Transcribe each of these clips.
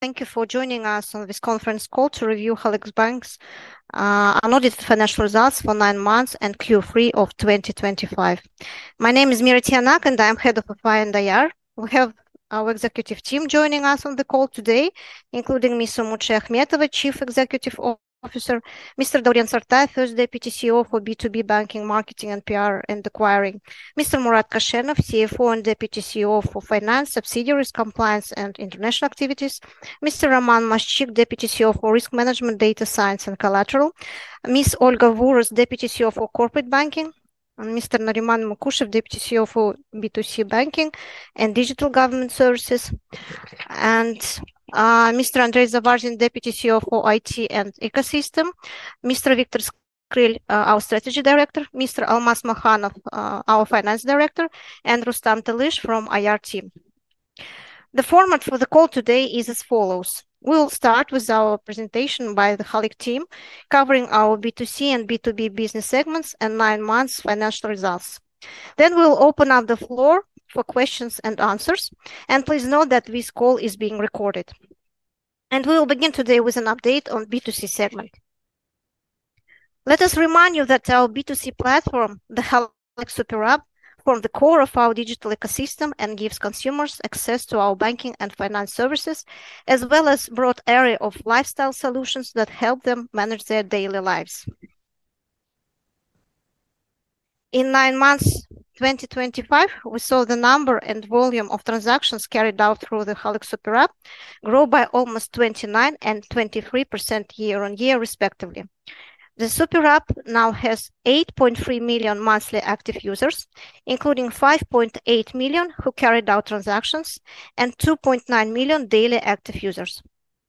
Thank you for joining us on this conference call to review Halyk Bank's un-audited financial results for nine months and Q3 of 2025. My name is Mira Tiyanak, and I'm Head of FI and IR. We have our executive team joining us on the call today, including Ms. Umut Shayakhmetova, Chief Executive Officer; Mr. Dauren Sartayev, First Deputy CEO for B2B Banking, Marketing, PR, and Acquiring; Mr. Murat Koshenov, CFO and Deputy CEO for Finance, Subsidiaries, Compliance, and International Activities; Mr. Roman Maszczyk, Deputy CEO for Risk Management, Data Science, and Collateral; Ms. Olga Vuros, Deputy CEO for Corporate Banking; Mr. Nariman Mukushev, Deputy CEO for B2C Banking and Digital Government Services; Mr. Andrey Zavarzin, Deputy CEO for IT and Ecosystem; Mr. Viktor Skryl, our Strategy Director; Mr. Almas Makhanov, our Finance Director; and Rustam Telish from IR Team. The format for the call today is as follows: we'll start with our presentation by the Halyk Team, covering our B2C and B2B business segments and nine months financial results. Then we'll open up the floor for questions and answers. Please note that this call is being recorded. We'll begin today with an update on the B2C segment. Let us remind you that our B2C platform, the Halyk Super-App, forms the core of our digital ecosystem and gives consumers access to our banking and finance services, as well as a broad array of lifestyle solutions that help them manage their daily lives. In nine months 2025, we saw the number and volume of transactions carried out through the Halyk Super-App grow by almost 29% and 23% year-on-year, respectively. The Super-App now has 8.3 million monthly active users, including 5.8 million who carried out transactions and 2.9 million daily active users.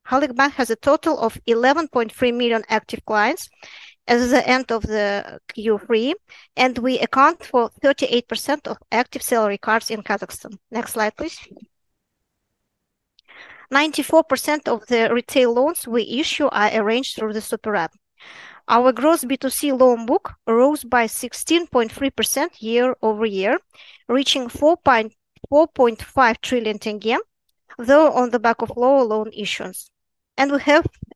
Halyk Bank has a total of 11.3 million active clients as of the end of the Q3, and we account for 38% of active salary cards in Kazakhstan. Next slide, please. 94% of the retail loans we issue are arranged through the Super-App. Our gross B2C loan book rose by 16.3% year-over-year, reaching KZT 4.5 trillion, though on the back of lower loan issuance.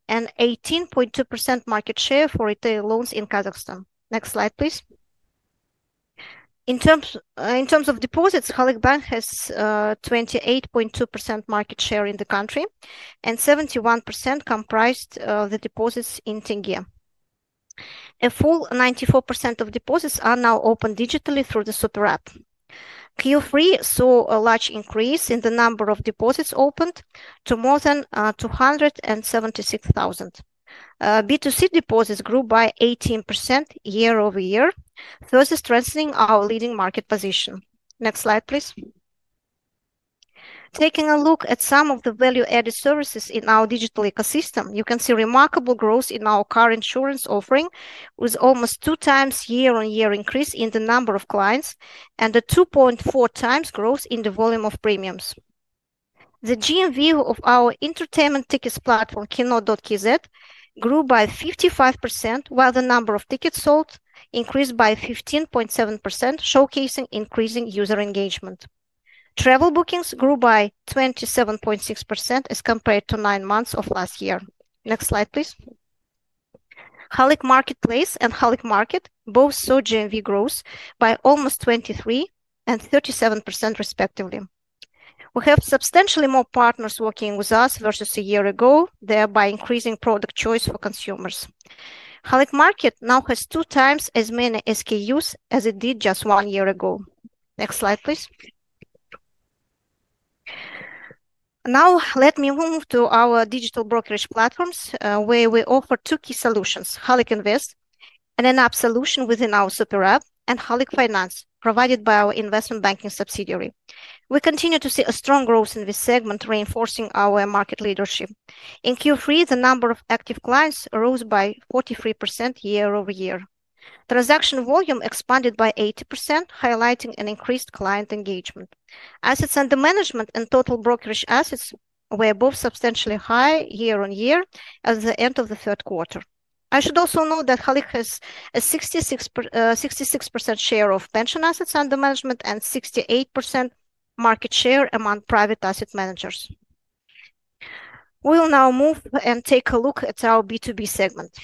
We have an 18.2% market share for retail loans in Kazakhstan. Next slide, please. In terms of deposits, Halyk Bank has 28.2% market share in the country, and 71% comprised the deposits in Tenge. A full 94% of deposits are now opened digitally through the Super-App. Q3 saw a large increase in the number of deposits opened to more than 276,000. B2C deposits grew by 18% year-over-year, further strengthening our leading market position. Next slide, please. Taking a look at some of the value-added services in our digital ecosystem, you can see remarkable growth in our car insurance offering, with almost a 2x year-on-year increase in the number of clients and a 2.4x growth in the volume of premiums. The GMV of our entertainment tickets platform, Kino.kz, grew by 55%, while the number of tickets sold increased by 15.7%, showcasing increasing user engagement. Travel bookings grew by 27.6% as compared to nine months of last year. Next slide, please. Halyk Marketplace and Halyk Market both saw GMV growth by almost 23% and 37%, respectively. We have substantially more partners working with us versus a year ago, thereby increasing product choice for consumers. Halyk Market now has 2x as many SKUs as it did just one year ago. Next slide, please. Now, let me move to our Digital Brokerage Platforms, where we offer two key solutions: Halyk Invest and an app solution within our Super-App, and Halyk Finance, provided by our investment banking subsidiary. We continue to see a strong growth in this segment, reinforcing our market leadership. In Q3, the number of active clients rose by 43% year-over-year. Transaction volume expanded by 80%, highlighting an increased client engagement. Assets under management and total brokerage assets were both substantially higher year-on-year at the end of the third quarter. I should also note that Halyk has a 66% share of pension assets under management and 68% market share among private asset managers. We'll now move and take a look at our B2B segment.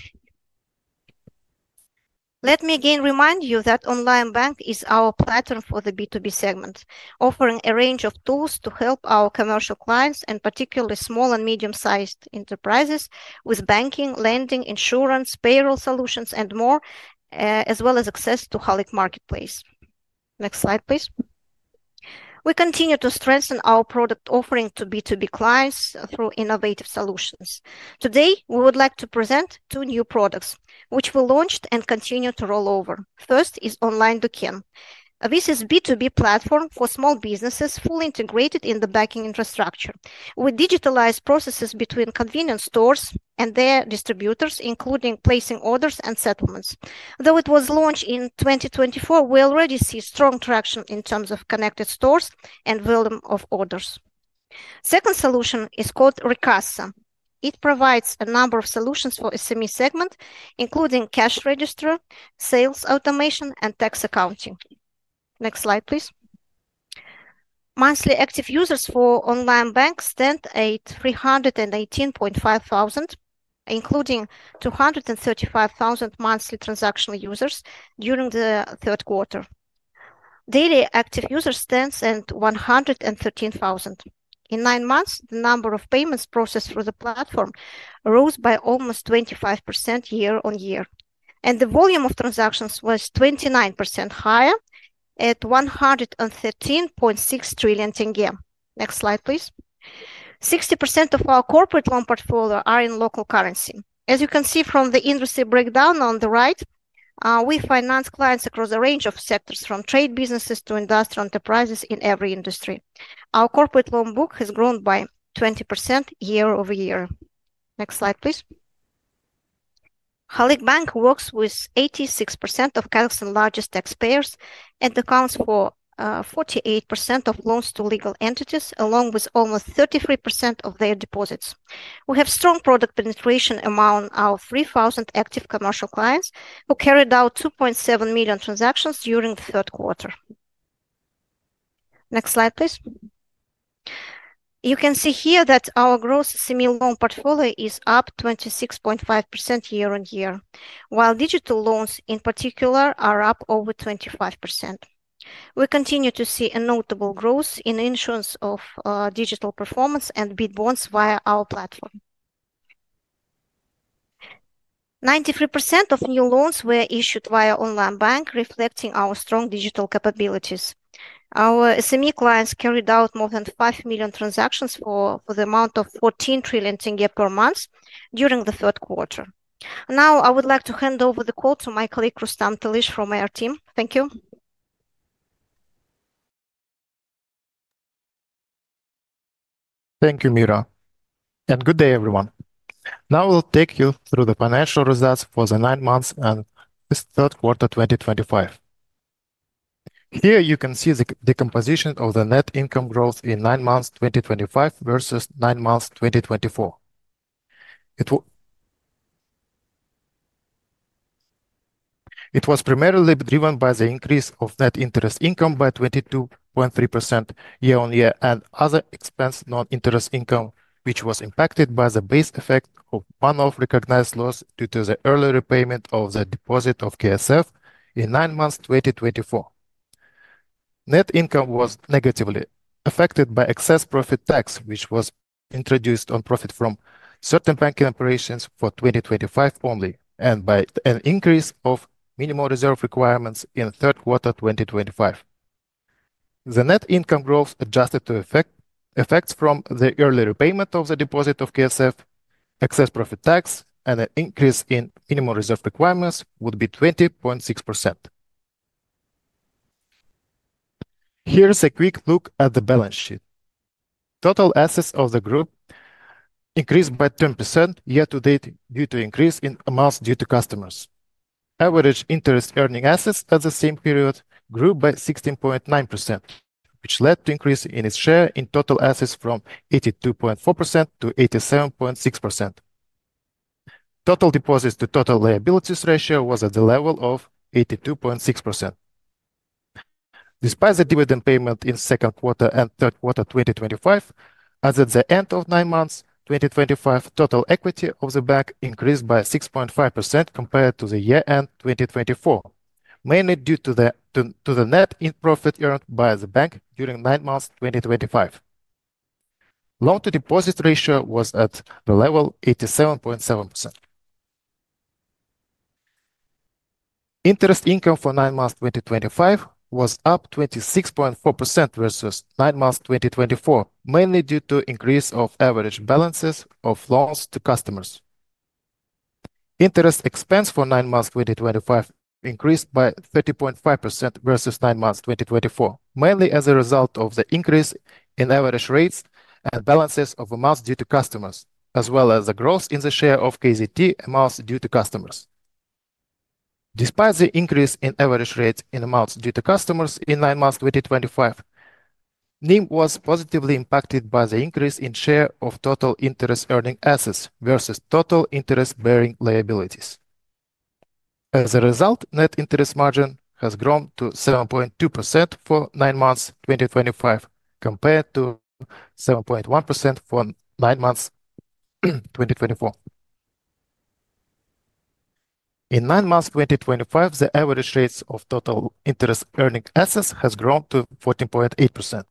Let me again remind you that Onlinebank is our platform for the B2B segment, offering a range of tools to help our commercial clients, and particularly small and medium-sized enterprises, with banking, lending, insurance, payroll solutions, and more, as well as access to Halyk Marketplace. Next slide, please. We continue to strengthen our product offering to B2B clients through innovative solutions. Today, we would like to present two new products, which we launched and continue to roll over. First is Online-Duken. This is a B2B platform for small businesses fully integrated in the banking infrastructure, with digitalized processes between convenience stores and their distributors, including placing orders and settlements. Though it was launched in 2024, we already see strong traction in terms of connected stores and volume of orders. The second solution is called re: Kassa. It provides a number of solutions for the SME segment, including cash register, sales automation, and tax accounting. Next slide, please. Monthly active users for Onlinebank stand at 318,500, including 235,000 monthly transaction users during the third quarter. Daily active users stand at 113,000. In nine months, the number of payments processed through the platform rose by almost 25% year-on-year. The volume of transactions was 29% higher at KZT 113.6 trillion. Next slide, please. 60% of our corporate loan portfolio are in local currency. As you can see from the industry breakdown on the right, we finance clients across a range of sectors, from trade businesses to industrial enterprises in every industry. Our corporate loan book has grown by 20% year-over-year. Next slide, please. Halyk Bank works with 86% of Kazakhstan's largest taxpayers and accounts for 48% of loans to legal entities, along with almost 33% of their deposits. We have strong product penetration among our 3,000 active commercial clients, who carried out 2.7 million transactions during the third quarter. Next slide, please. You can see here that our gross SME loan portfolio is up 26.5% year-on-year, while digital loans, in particular, are up over 25%. We continue to see a notable growth in insurance of digital performance and bid bonds via our platform. 93% of new loans were issued via Onlinebank, reflecting our strong digital capabilities. Our SME clients carried out more than 5 million transactions for the amount of KZT 14 trillion per month during the third quarter. Now, I would like to hand over the call to my colleague Rustam Telish from IR Team. Thank you. Thank you, Mira. Good day, everyone. Now, I'll take you through the financial results for the nine months and the third quarter 2025. Here, you can see the decomposition of the Net Income growth in nine months 2025 versus nine months 2024. It was primarily driven by the increase of net interest income by 22.3% year-on-year and other expense non-interest income, which was impacted by the base effect of one-off recognized loss due to the early repayment of the deposit of KSF in nine months 2024. Net Income was negatively affected by excess profit tax, which was introduced on profit from certain banking operations for 2025 only, and by an increase of minimum reserve requirements in third quarter 2025. The Net Income growth adjusted to effects from the early repayment of the deposit of KSF, excess profit tax, and an increase in minimum reserve requirements would be 20.6%. Here's a quick look at the balance sheet. Total assets of the group increased by 10% year-to-date due to increase in amounts due to customers. Average interest-earning assets at the same period grew by 16.9%, which led to an increase in its share in total assets from 82.4% to 87.6%. Total deposits to total liabilities ratio was at the level of 82.6%. Despite the dividend payment in second quarter and third quarter 2025, at the end of nine months 2025, total equity of the bank increased by 6.5% compared to the year-end 2024, mainly due to the net profit earned by the bank during nine months 2025. Loan-to-deposit ratio was at the level of 87.7%. Interest income for nine months 2025 was up 26.4% versus nine months 2024, mainly due to an increase in average balances of loans to customers. Interest expense for nine months 2025 increased by 30.5% versus nine months 2024, mainly as a result of the increase in average rates and balances of amounts due to customers, as well as the growth in the share of KZT amounts due to customers. Despite the increase in average rates in amounts due to customers in nine months 2025, NIM was positively impacted by the increase in share of total interest-earning assets versus total interest-bearing liabilities. As a result, net interest margin has grown to 7.2% for nine months 2025 compared to 7.1% for nine months 2024. In nine months 2025, the average rates of total interest-earning assets have grown to 14.8%.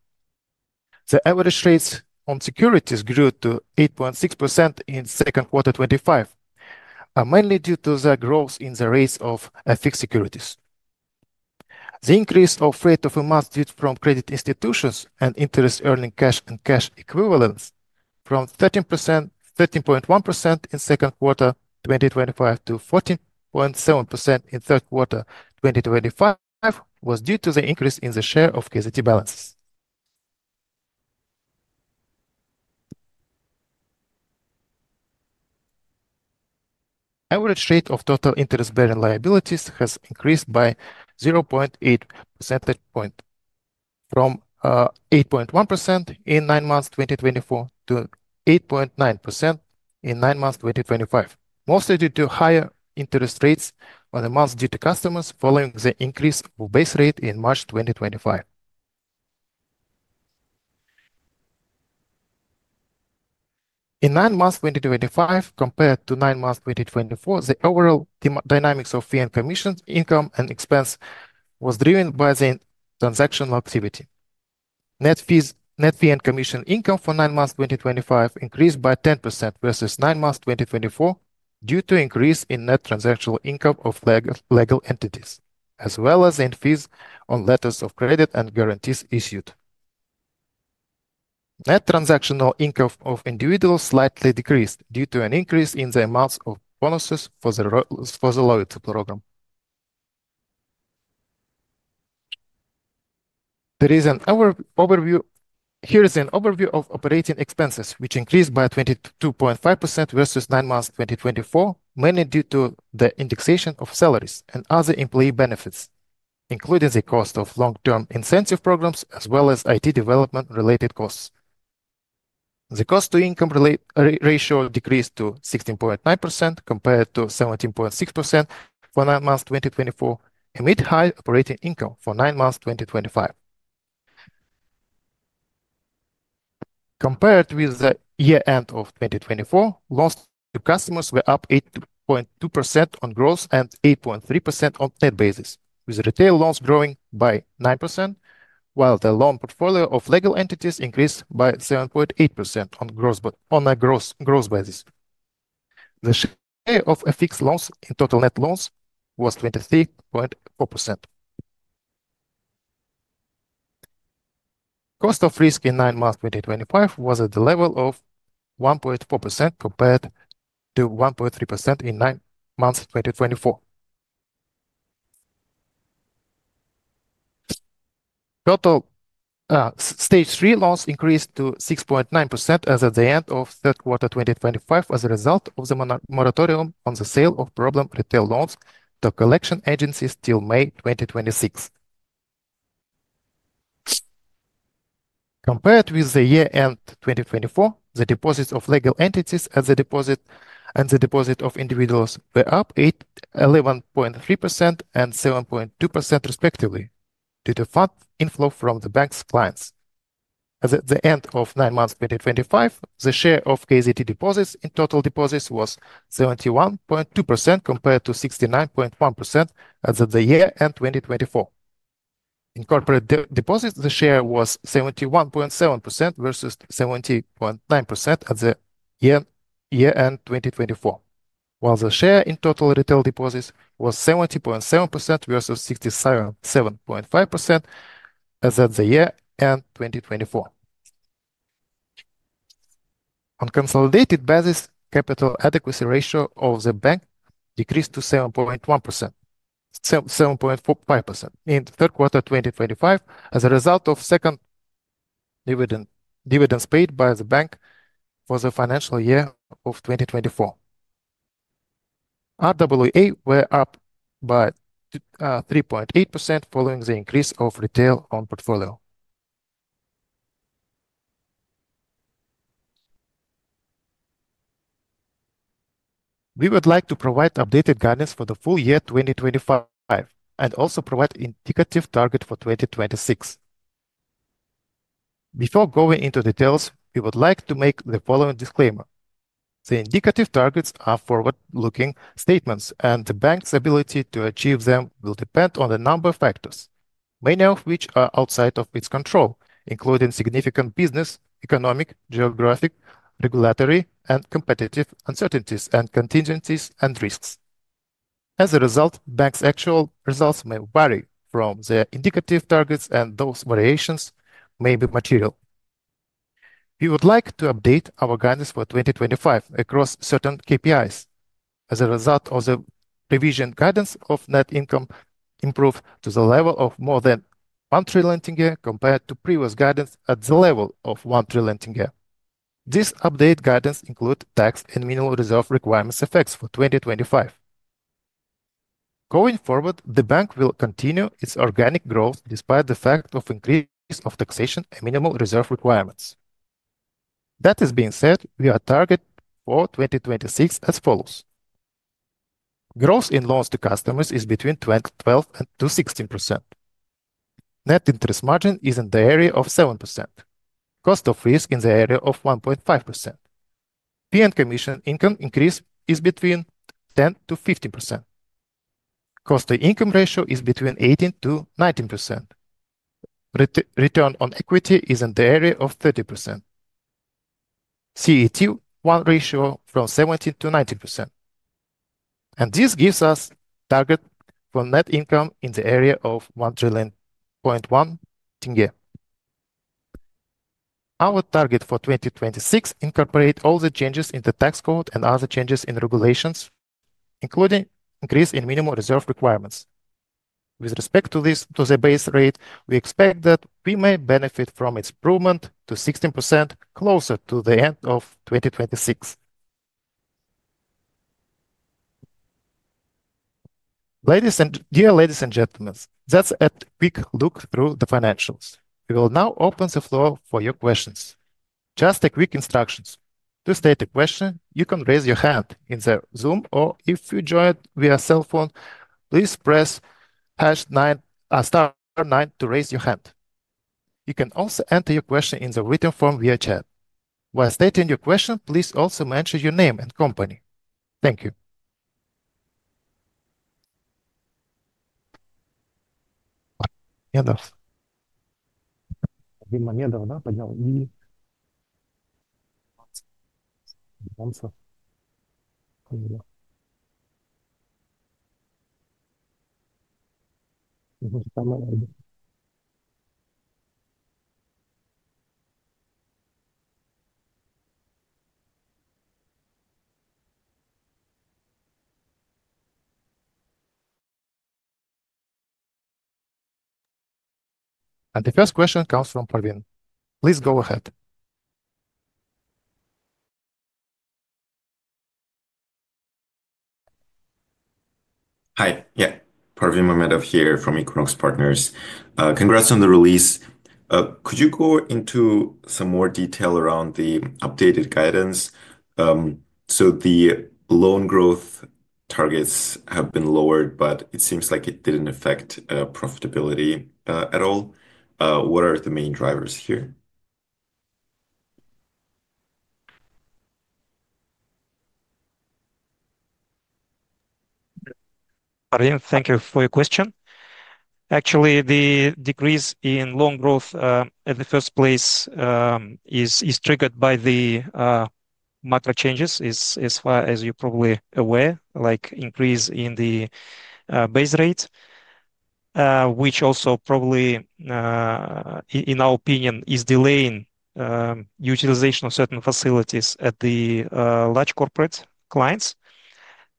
The average rates on securities grew to 8.6% in second quarter 2025, mainly due to the growth in the rates of fixed securities. The increase of rates of amounts due from credit institutions and interest-earning cash and cash equivalents from 13.1% in second quarter 2025 to 14.7% in third quarter 2025 was due to the increase in the share of KZT balances. Average rate of total interest-bearing liabilities has increased by 0.8 percentage points from 8.1% in nine months 2024 to 8.9% in nine months 2025, mostly due to higher interest rates on amounts due to customers following the increase of base rate in March 2025. In nine months 2025, compared to nine months 2024, the overall dynamics of fee and commission income and expense was driven by the transactional activity. Net fee and commission income for nine months 2025 increased by 10% versus nine months 2024 due to an increase in net transactional income of legal entities, as well as in fees on letters of credit and guarantees issued. Net transactional income of individuals slightly decreased due to an increase in the amounts of bonuses for the Loyalty program. There is an overview. Here is an overview of operating expenses, which increased by 22.5% versus nine months 2024, mainly due to the indexation of salaries and other employee benefits, including the cost of long-term incentive programs as well as IT development-related costs. The cost-to-income ratio decreased to 16.9% compared to 17.6% for nine months 2024, amid high operating income for nine months 2025. Compared with the year-end of 2024, loans to customers were up 8.2% on gross and 8.3% on net basis, with retail loans growing by 9%, while the loan portfolio of legal entities increased by 7.8% on a gross basis. The share of fixed loans in total net loans was 23.4%. Cost of risk in nine months 2025 was at the level of 1.4% compared to 1.3% in nine months 2024. Stage three loans increased to 6.9% at the end of third quarter 2025 as a result of the moratorium on the sale of problem retail loans to collection agencies till May 2026. Compared with the year-end 2024, the deposits of legal entities and the deposit of individuals were up 11.3% and 7.2% respectively due to fund inflow from the bank's clients. At the end of nine months 2025, the share of KZT deposits in total deposits was 71.2% compared to 69.1% at the year-end 2024. In corporate deposits, the share was 71.7% versus 70.9% at the year-end 2024, while the share in total retail deposits was 70.7% versus 67.5% at the year-end 2024. On consolidated basis, capital adequacy ratio of the bank decreased to 7.5% in third quarter 2025 as a result of second dividends paid by the bank for the financial year of 2024. RWA were up by 3.8% following the increase of retail loan portfolio. We would like to provide updated guidance for the full year 2025 and also provide an indicative target for 2026. Before going into details, we would like to make the following disclaimer. The indicative targets are forward-looking statements, and the bank's ability to achieve them will depend on a number of factors, many of which are outside of its control, including significant business, economic, geographic, regulatory, and competitive uncertainties, and contingencies and risks. As a result, the bank's actual results may vary from their indicative targets, and those variations may be material. We would like to update our guidance for 2025 across certain KPIs. As a result of the revision, guidance of net income improved to the level of more than KZT 1 trillion compared to previous guidance at the level of KZT 1 trillion. This updated guidance includes tax and minimum reserve requirements effects for 2025. Going forward, the bank will continue its organic growth despite the fact of increases in taxation and minimum reserve requirements. That is being said, we are targeting for 2026 as follows: Growth in loans to customers is between 12%-16%. Net interest margin is in the area of 7%. Cost of risk is in the area of 1.5%. Fee and commission income increase is between 10%-15%. Cost-to-income ratio is between 18%-19%. Return on equity is in the area of 30%. CET-1 ratio from 17%-19%. This gives us a target for net income in the area of KZT 1.1 trillion. Our target for 2026 incorporates all the changes in the tax code and other changes in regulations, including an increase in minimum reserve requirements. With respect to the base rate, we expect that we may benefit from its improvement to 16% closer to the end of 2026. Ladies and gentlemen, that is a quick look through the financials. We will now open the floor for your questions. Just a quick instruction. To state a question, you can raise your hand in Zoom, or if you join via cell phone, please press star nine to raise your hand. You can also enter your question in written form via chat. While stating your question, please also mention your name and company. Thank you. The first question comes from Parvin. Please go ahead. Hi, yeah, Parvin Mamedov here from Equinox Partners. Congrats on the release. Could you go into some more detail around the updated guidance? The loan growth targets have been lowered, but it seems like it did not affect profitability at all. What are the main drivers here? Parvin, thank you for your question. Actually, the decrease in loan growth at the first place is triggered by the macro changes, as far as you are probably aware, like an increase in the base rate, which also probably, in our opinion, is delaying the utilization of certain facilities at the large corporate clients.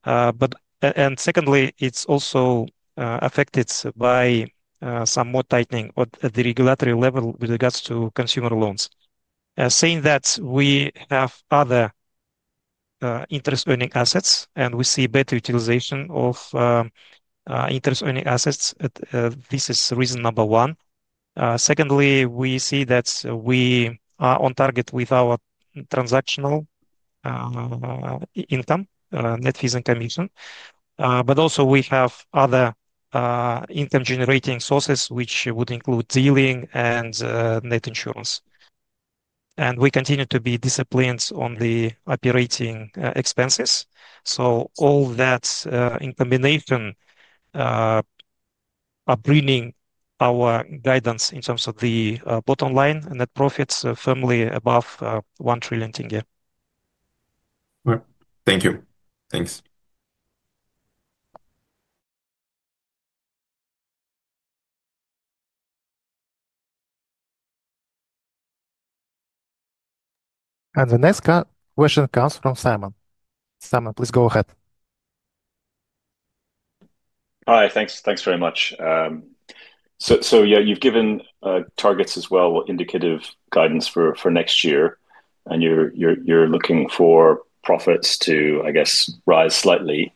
Secondly, it is also affected by some more tightening at the regulatory level with regards to consumer loans. Saying that we have other interest earning assets and we see better utilization of interest earning assets, this is reason number one. Secondly, we see that we are on target with our transactional income, net fees and commission, but also we have other income-generating sources, which would include dealing and net insurance. We continue to be disciplined on the operating expenses. All that, in combination, are bringing our guidance in terms of the bottom line net profits firmly above KZT 1 trillion. Thank you. Thanks. The next question comes from Simon. Simon, please go ahead. Hi, thanks very much. Yeah, you've given targets as well, indicative guidance for next year, and you're looking for profits to, I guess, rise slightly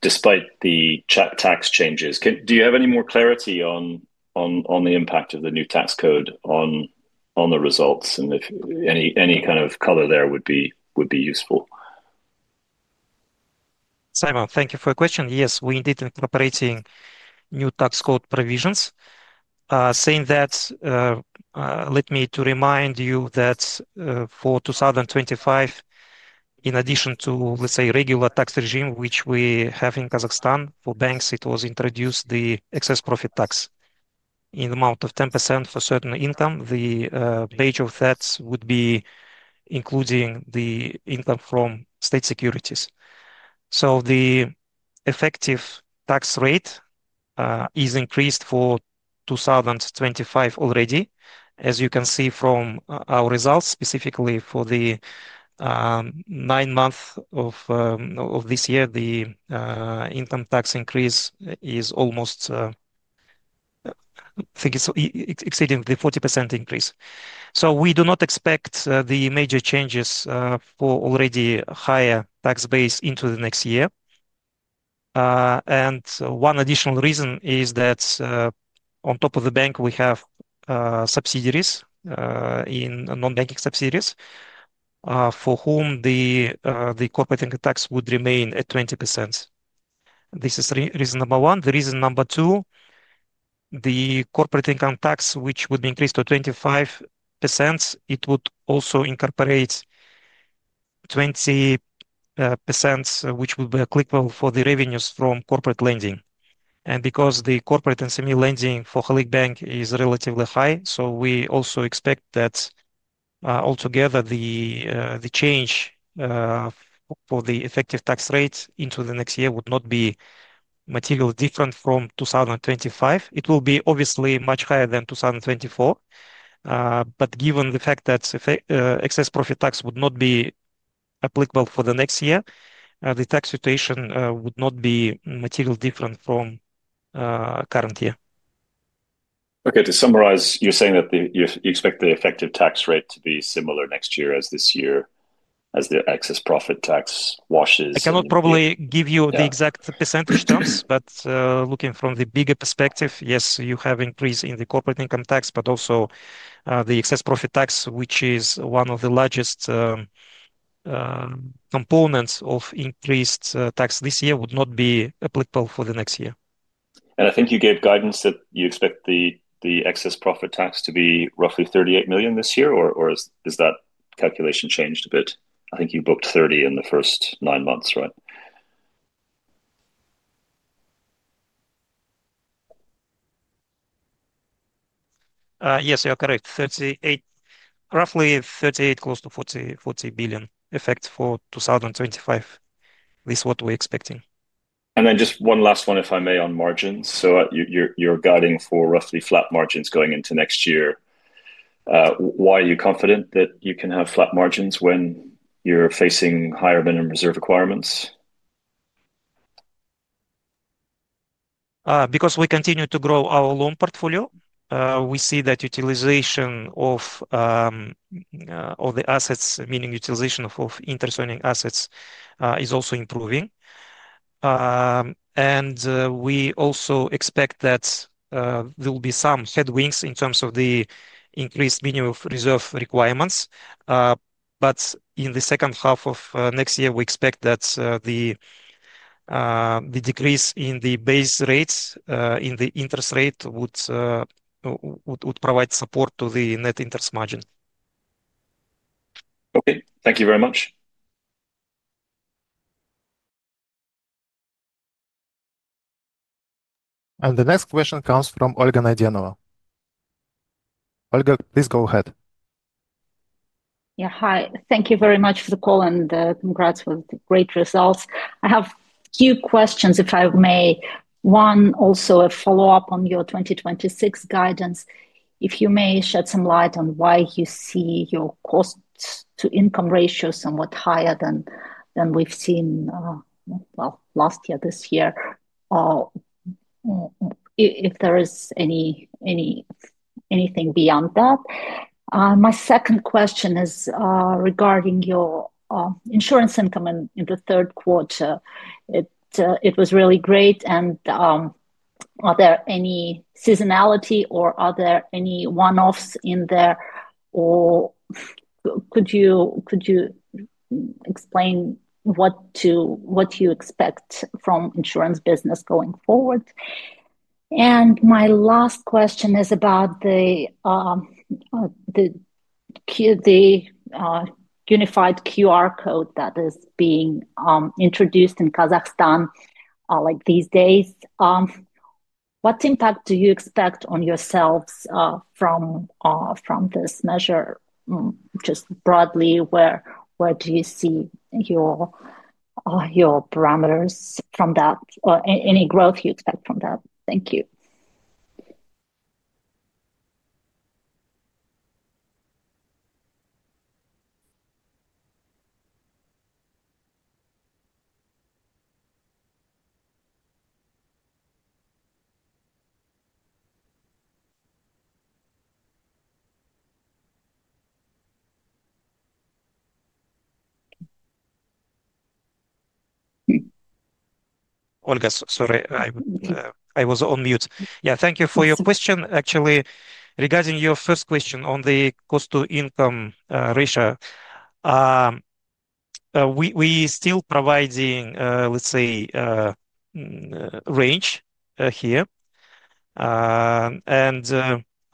despite the CHAP tax changes. Do you have any more clarity on the impact of the new tax code on the results? Any kind of color there would be useful. Simon, thank you for the question. Yes, we did incorporate new tax code provisions. Saying that, let me remind you that for 2025, in addition to, let's say, the regular tax regime which we have in Kazakhstan for banks, it was introduced the excess profit tax in the amount of 10% for certain income. The base of that would be including the income from state securities. The effective tax rate is increased for 2025 already. As you can see from our results, specifically for the nine months of this year, the income tax increase is almost exceeding the 40% increase. We do not expect the major changes for already higher tax base into the next year. One additional reason is that on top of the bank, we have subsidiaries, non-banking subsidiaries, for whom the corporate income tax would remain at 20%. This is reason number one. The reason number two, the corporate income tax, which would be increased to 25%, it would also incorporate 20%, which would be applicable for the revenues from corporate lending. Because the corporate and semi-lending for Halyk Bank is relatively high, we also expect that altogether the change for the effective tax rate into the next year would not be materially different from 2025. It will be obviously much higher than 2024. Given the fact that excess profit tax would not be applicable for the next year, the tax situation would not be materially different from current year. Okay, to summarize, you're saying that you expect the effective tax rate to be similar next year as this year, as the excess profit tax washes? I cannot probably give you the exact percentage terms, but looking from the bigger perspective, yes, you have an increase in the corporate income tax, but also the excess profit tax, which is one of the largest components of increased tax this year, would not be applicable for the next year. I think you gave guidance that you expect the excess profit tax to be roughly KZT 38 billion this year, or has that calculation changed a bit? I think you booked KZT 30 billion in the first nine months, right? Yes, you're correct. Roughly KZT 38 billion, close to KZT 40 billion effect for 2025. This is what we're expecting. Just one last one, if I may, on margins. You're guiding for roughly flat margins going into next year. Why are you confident that you can have flat margins when you're facing higher minimum reserve requirements? Because we continue to grow our Loan portfolio. We see that utilization of the assets, meaning utilization of interest-earning assets, is also improving. We also expect that there will be some headwinds in terms of the increased minimum reserve requirements. In the second half of next year, we expect that the decrease in the base rates, in the interest rate, would provide support to the net interest margin. Okay, thank you very much. The next question comes from Olga Naydenova. Olga, please go ahead. Yeah, hi. Thank you very much for the call and congrats for the great results. I have a few questions, if I may. One, also a follow-up on your 2026 guidance. If you may shed some light on why you see your cost-to-income ratios somewhat higher than we've seen last year, this year, if there is anything beyond that. My second question is regarding your insurance income in the third quarter. It was really great. Are there any seasonality or are there any one-offs in there? Could you explain what you expect from the Insurance business going forward? My last question is about the unified QR code that is being introduced in Kazakhstan these days. What impact do you expect on yourselves from this measure? Just broadly, where do you see your parameters from that? Any growth you expect from that? Thank you. Olga, sorry, I was on mute. Yeah, thank you for your question. Actually, regarding your first question on the cost-to-income ratio, we are still providing, let's say, a range here. I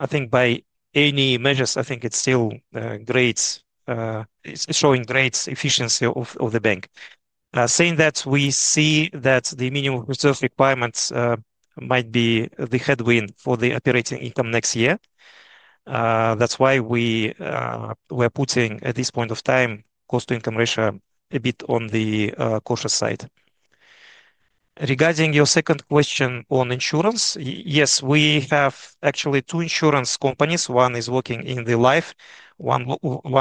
think by any measures, I think it's still showing great efficiency of the bank. Saying that we see that the minimum reserve requirements might be the headwind for the operating income next year. That is why we are putting, at this point of time, the cost-to-income ratio a bit on the cautious side. Regarding your second question on Insurance, yes, we have actually two insurance companies. One is working in the life, one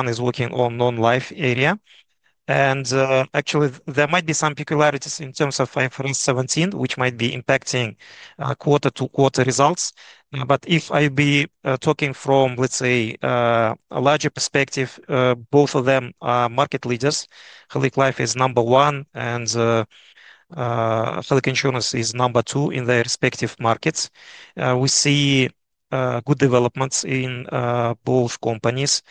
is working in the non-life area. Actually, there might be some peculiarities in terms of IFRS 17, which might be impacting quarter-to-quarter results. If I be talking from, let's say, a larger perspective, both of them are market leaders. Halyk-Life is number one, and Halyk-Insurance is number two in their respective markets. We see good developments in both companies.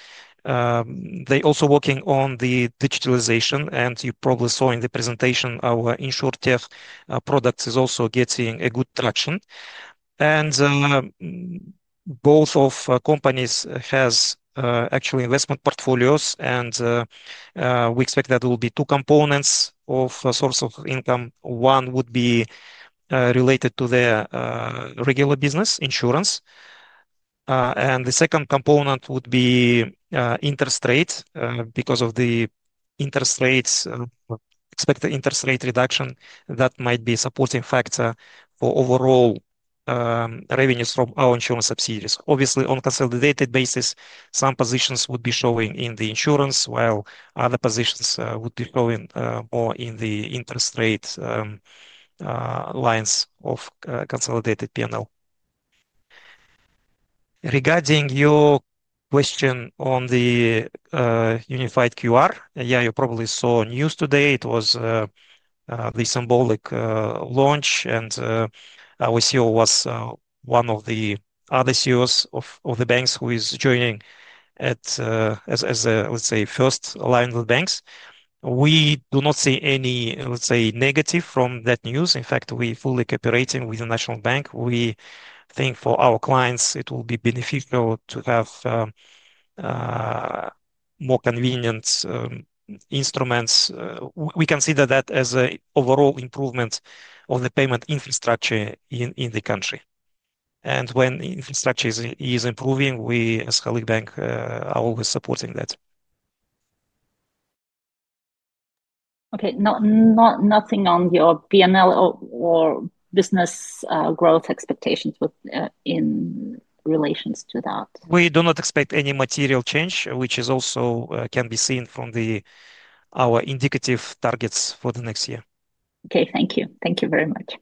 They are also working on the digitalization, and you probably saw in the presentation our insurtech product is also getting good traction. Both of the companies have actual investment portfolios, and we expect that there will be two components of sources of income. One would be related to their regular business, insurance. The second component would be interest rates because of the expected interest rate reduction that might be a supporting factor for overall revenues from our insurance subsidiaries. Obviously, on a consolidated basis, some positions would be showing in the insurance, while other positions would be showing more in the interest rate lines of consolidated P&L. Regarding your question on the unified QR, yeah, you probably saw news today. It was the symbolic launch, and our CEO was one of the other CEOs of the banks who is joining as a, let's say, first line of the banks. We do not see any, let's say, negative from that news. In fact, we are fully cooperating with the National Bank. We think for our clients, it will be beneficial to have more convenient instruments. We consider that as an overall improvement of the payment infrastructure in the country. When infrastructure is improving, we as Halyk Bank are always supporting that. Okay, nothing on your P&L or business growth expectations in relation to that? We do not expect any material change, which also can be seen from our indicative targets for the next year. Okay, thank you. Thank you very much.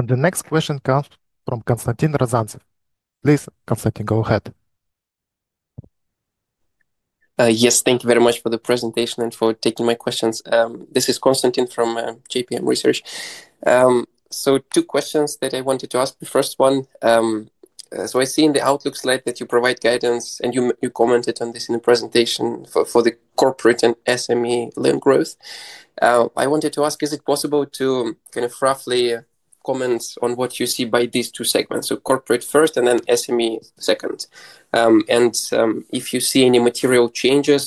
The next question comes from Konstantin Rozantsev. Please, Konstantin, go ahead. Yes, thank you very much for the presentation and for taking my questions. This is Konstantin from JPM Research. Two questions that I wanted to ask. The first one, I see in the Outlook slide that you provide guidance, and you commented on this in the presentation for the corporate and SME loan growth. I wanted to ask, is it possible to kind of roughly comment on what you see by these two segments? Corporate first and then SME second. If you see any material changes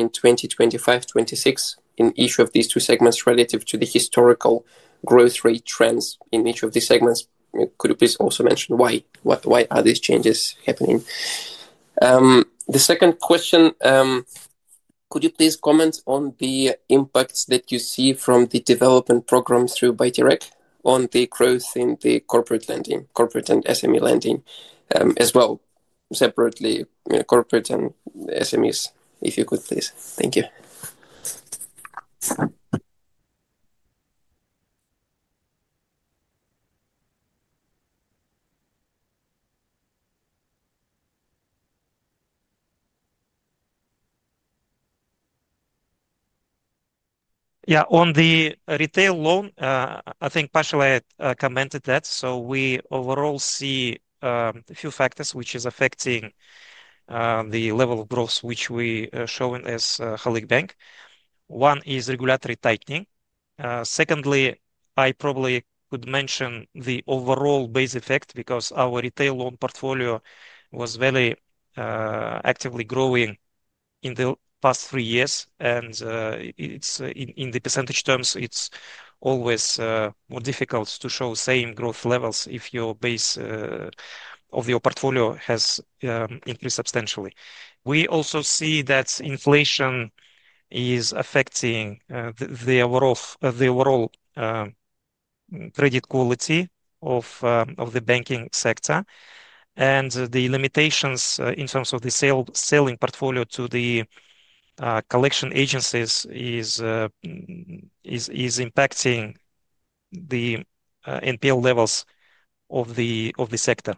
in 2025-2026 in each of these two segments relative to the historical growth rate trends in each of these segments, could you please also mention why? Why are these changes happening? The second question, could you please comment on the impacts that you see from the development program through Buy Direct on the growth in the corporate lending, corporate and SME lending as well, separately corporate and SMEs, if you could, please? Thank you. Yeah, on the retail loan, I think Paschalayev commented that. We overall see a few factors which are affecting the level of growth which we are showing as Halyk Bank. One is regulatory tightening. Secondly, I probably could mention the overall base effect because our retail loan portfolio was very actively growing in the past three years. In percentage terms, it's always more difficult to show the same growth levels if your base of your portfolio has increased substantially. We also see that inflation is affecting the overall credit quality of the banking sector. The limitations in terms of the Selling portfolio to the collection agencies is impacting the NPL levels of the sector.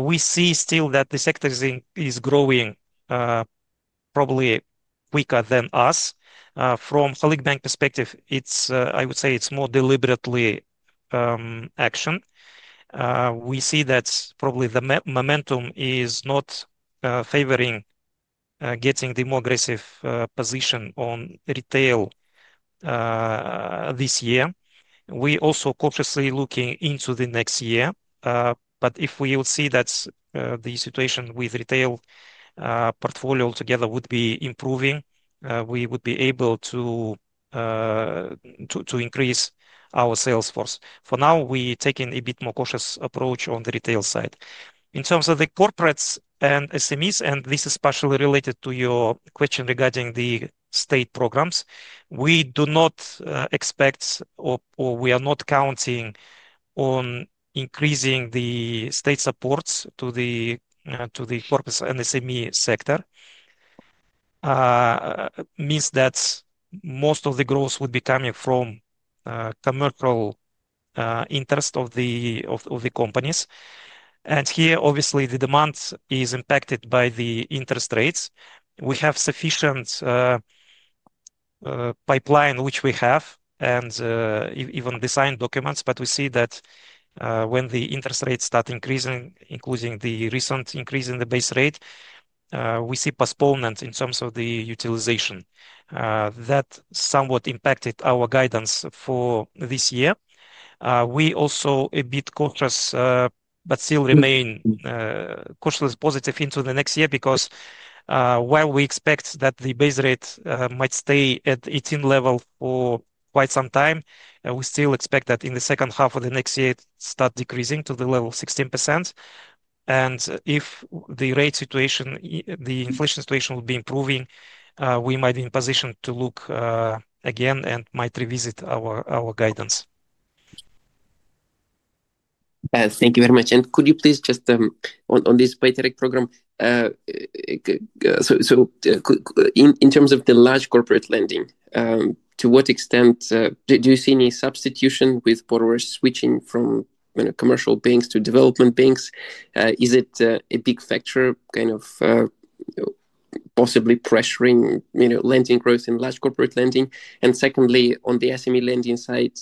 We see still that the sector is growing probably quicker than us. From Halyk Bank's perspective, I would say it's more deliberate action. We see that probably the momentum is not favoring getting the more aggressive position on retail this year. We are also cautiously looking into the next year. If we would see that the situation with the Retail portfolio altogether would be improving, we would be able to increase our sales force. For now, we are taking a bit more cautious approach on the retail side. In terms of the corporates and SMEs, and this is partially related to your question regarding the state programs, we do not expect or we are not counting on increasing the state supports to the corporate and SME sector. It means that most of the growth would be coming from commercial interests of the companies. Here, obviously, the demand is impacted by the interest rates. We have sufficient pipeline which we have and even design documents, but we see that when the interest rates start increasing, including the recent increase in the base rate, we see postponement in terms of the utilization. That somewhat impacted our guidance for this year. We are also a bit cautious but still remain cautiously positive into the next year because while we expect that the base rate might stay at 18% level for quite some time, we still expect that in the second half of the next year, it starts decreasing to the level of 16%. If the rate situation, the inflation situation would be improving, we might be in position to look again and might revisit our guidance. Thank you very much. Could you please just, on this Buy Direct Program, so in terms of the large corporate lending, to what extent do you see any substitution with borrowers switching from commercial banks to development banks? Is it a big factor kind of possibly pressuring lending growth in large corporate lending? Secondly, on the SME lending side,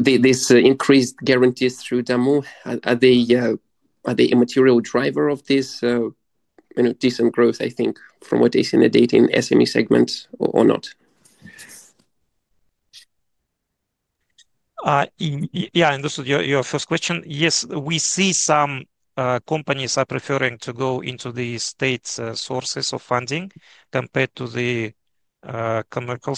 these increased guarantees through Damu, are they a material driver of this decent growth, I think, from what they see in the data in the SME segment or not? Yeah, this is your first question. Yes, we see some companies are preferring to go into the state sources of funding compared to the Commercial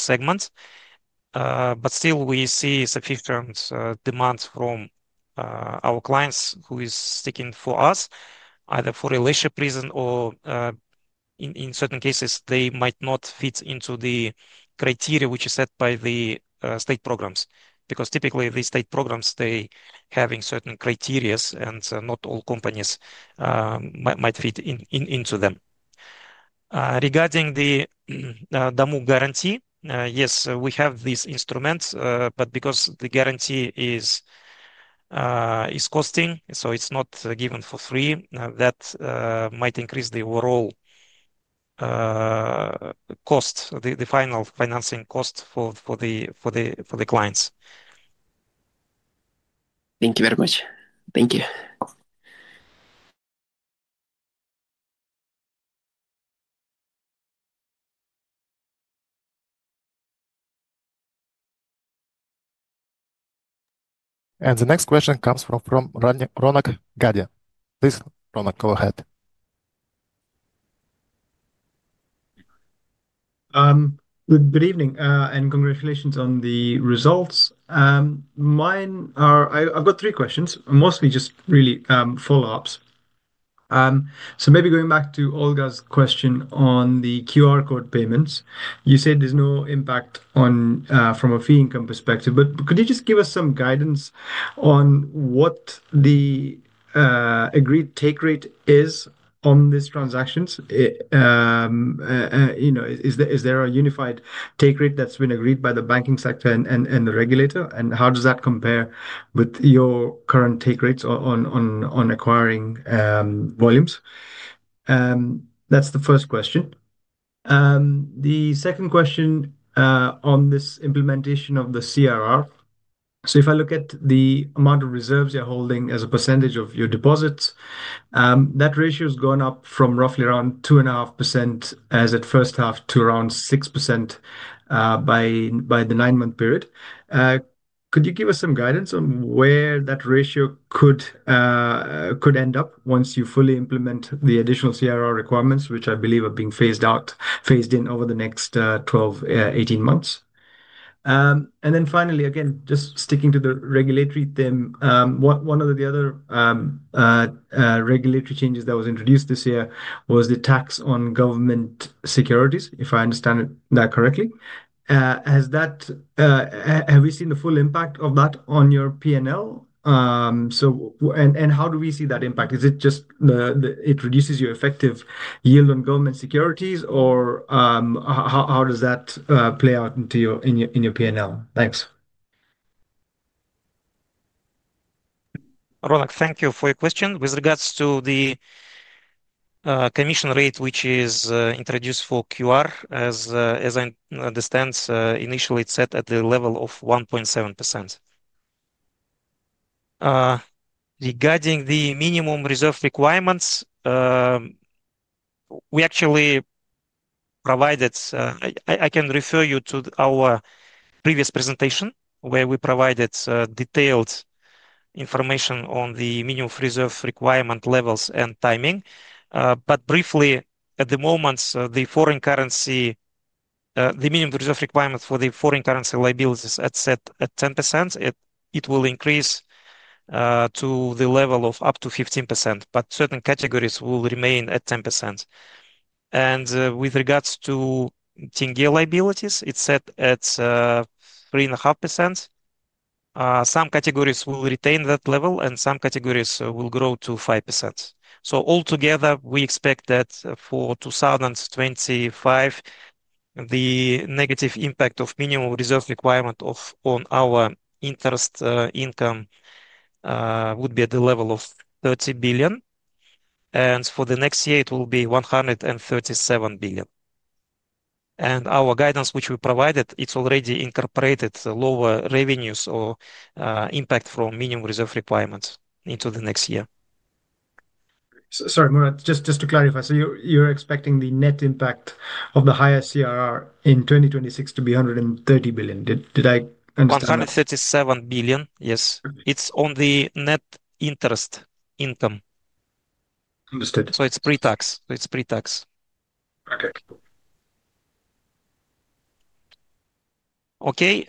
segment. Still, we see sufficient demand from our clients who are sticking for us, either for relationship reasons or in certain cases, they might not fit into the criteria which are set by the state programs. Typically, the state programs have certain criteria, and not all companies might fit into them. Regarding the Damu Guarantee, yes, we have this instrument, but because the Guarantee is costing, so it is not given for free, that might increase the overall cost, the final financing cost for the clients. Thank you very much. Thank you. The next question comes from Ronak Gadhia. Please, Ronak, go ahead. Good evening and congratulations on the results. I've got three questions, mostly just really follow-ups. Maybe going back to Olga's question on the QR code payments, you said there's no impact from a fee income perspective. Could you just give us some guidance on what the agreed take rate is on these transactions? Is there a unified take rate that's been agreed by the banking sector and the regulator? How does that compare with your current take rates on acquiring volumes? That's the first question. The second question on this implementation of the CRR. If I look at the amount of reserves you're holding as a percentage of your deposits, that ratio has gone up from roughly around 2.5% as at first half to around 6% by the nine-month period. Could you give us some guidance on where that ratio could end up once you fully implement the additional CRR requirements, which I believe are being phased in over the next 12-18 months? Finally, again, just sticking to the regulatory theme, one of the other regulatory changes that was introduced this year was the tax on government securities, if I understand that correctly. Have we seen the full impact of that on your P&L? How do we see that impact? Is it just that it reduces your effective yield on government securities, or how does that play out in your P&L? Thanks. Ronak, thank you for your question. With regards to the commission rate, which is introduced for QR, as I understand, initially it's set at the level of 1.7%. Regarding the minimum reserve requirements, we actually provided—I can refer you to our previous presentation where we provided detailed information on the minimum reserve requirement levels and timing. Briefly, at the moment, the minimum reserve requirement for the foreign currency liabilities is set at 10%. It will increase to the level of up to 15%, but certain categories will remain at 10%. With regards to Tenge liabilities, it's set at 3.5%. Some categories will retain that level, and some categories will grow to 5%. Altogether, we expect that for 2025, the negative impact of minimum reserve requirement on our interest income would be at the level of KZT 30 billion. For the next year, it will be KZT 137 billion. Our guidance, which we provided, already incorporated lower revenues or impact from minimum reserve requirements into the next year. Sorry, Murat, just to clarify, you are expecting the net impact of the higher CRR in 2026 to be KZT 130 billion. Did I understand? KZT 137 billion, yes. It is on the net interest income. Understood. It is pre-tax. Okay.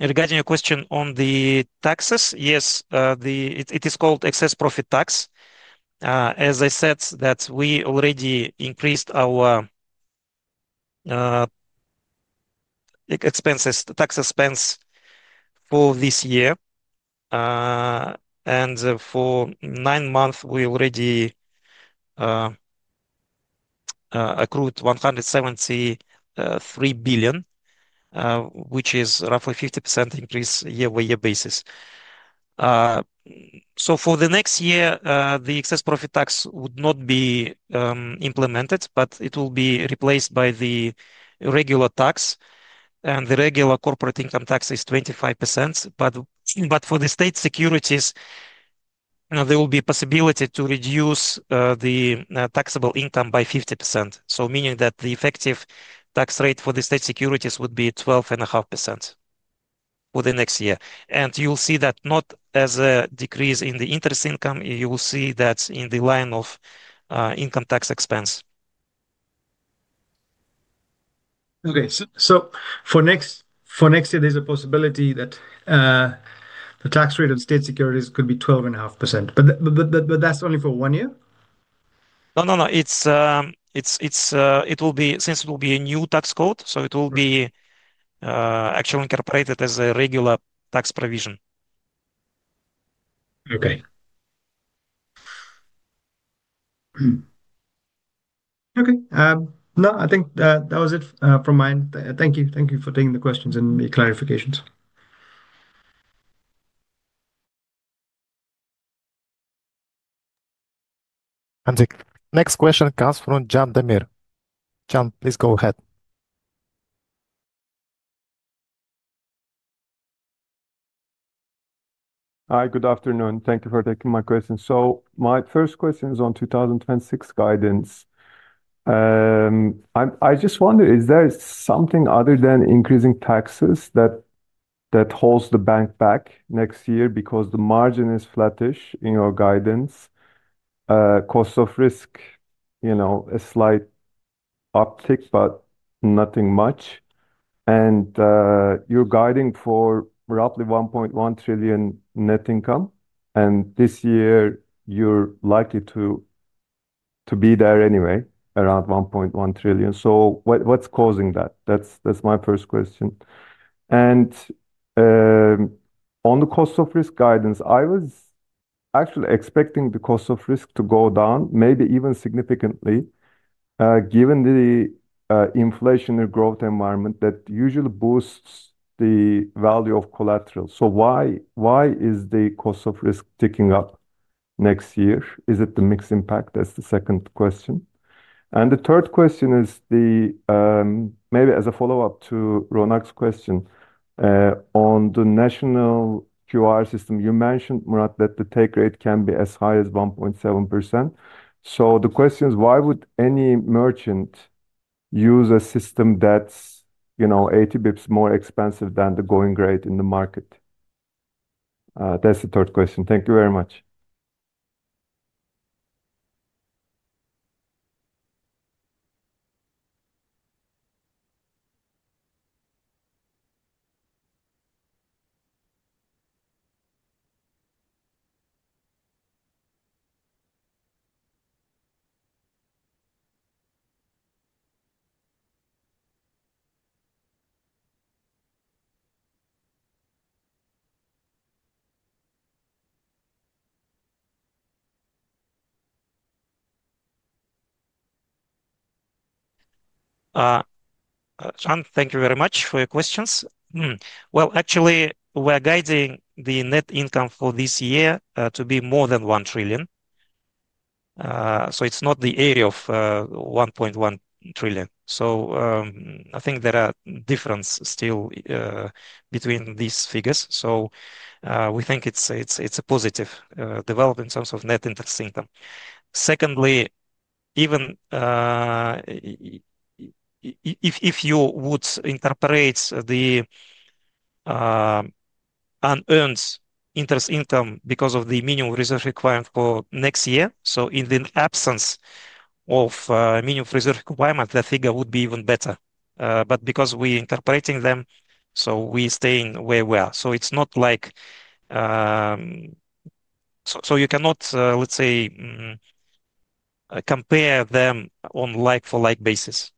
Regarding your question on the taxes, yes, it is called excess profit tax. As I said, we already increased our tax expense for this year. For nine months, we already accrued KZT 173 billion, which is roughly a 50% increase year-by-year basis. For the next year, the excess profit tax would not be implemented, but it will be replaced by the regular tax. The regular corporate income tax is 25%. For the state securities, there will be a possibility to reduce the taxable income by 50%, meaning that the effective tax rate for the state securities would be 12.5% for the next year. You will see that not as a decrease in the interest income. You will see that in the line of income tax expense. Okay. For next year, there is a possibility that the tax rate of state securities could be 12.5%. That is only for one year? No, no, no. It will be since it will be a new tax code, so it will be actually incorporated as a regular tax provision. Okay. Okay. No, I think that was it from mine. Thank you. Thank you for taking the questions and the clarifications. Next question comes from Jan Demir. Jan, please go ahead. Hi, good afternoon. Thank you for taking my question. My first question is on 2026 guidance. I just wonder, is there something other than increasing taxes that holds the bank back next year because the margin is flattish in your guidance? Cost of risk, a slight uptick, but nothing much. You are guiding for roughly KZT 1.1 trillion Net Income. This year, you are likely to be there anyway, around KZT 1.1 trillion. What is causing that? That is my first question. On the cost of risk guidance, I was actually expecting the cost of risk to go down, maybe even significantly, given the inflationary growth environment that usually boosts the value of collateral. Why is the cost of risk ticking up next year? Is it the mixed impact? That is the second question. The third question is maybe as a follow-up to Ronak's question on the national QR system. You mentioned, Murat, that the take rate can be as high as 1.7%. The question is, why would any merchant use a system that's 80 basis points more expensive than the going rate in the market? That's the third question. Thank you very much. Jan, thank you very much for your questions. Actually, we're guiding the Net Income for this year to be more than KZT 1 trillion. It's not the area of KZT 1.1 trillion. I think there are differences still between these figures. We think it's a positive development in terms of net interest income. Secondly, even if you would incorporate the unearned interest income because of the minimum reserve requirement for next year, in the absence of minimum reserve requirement, the figure would be even better. Because we are incorporating them, we are staying where we are. It is not like—you cannot, let's say, compare them on a like-for-like basis.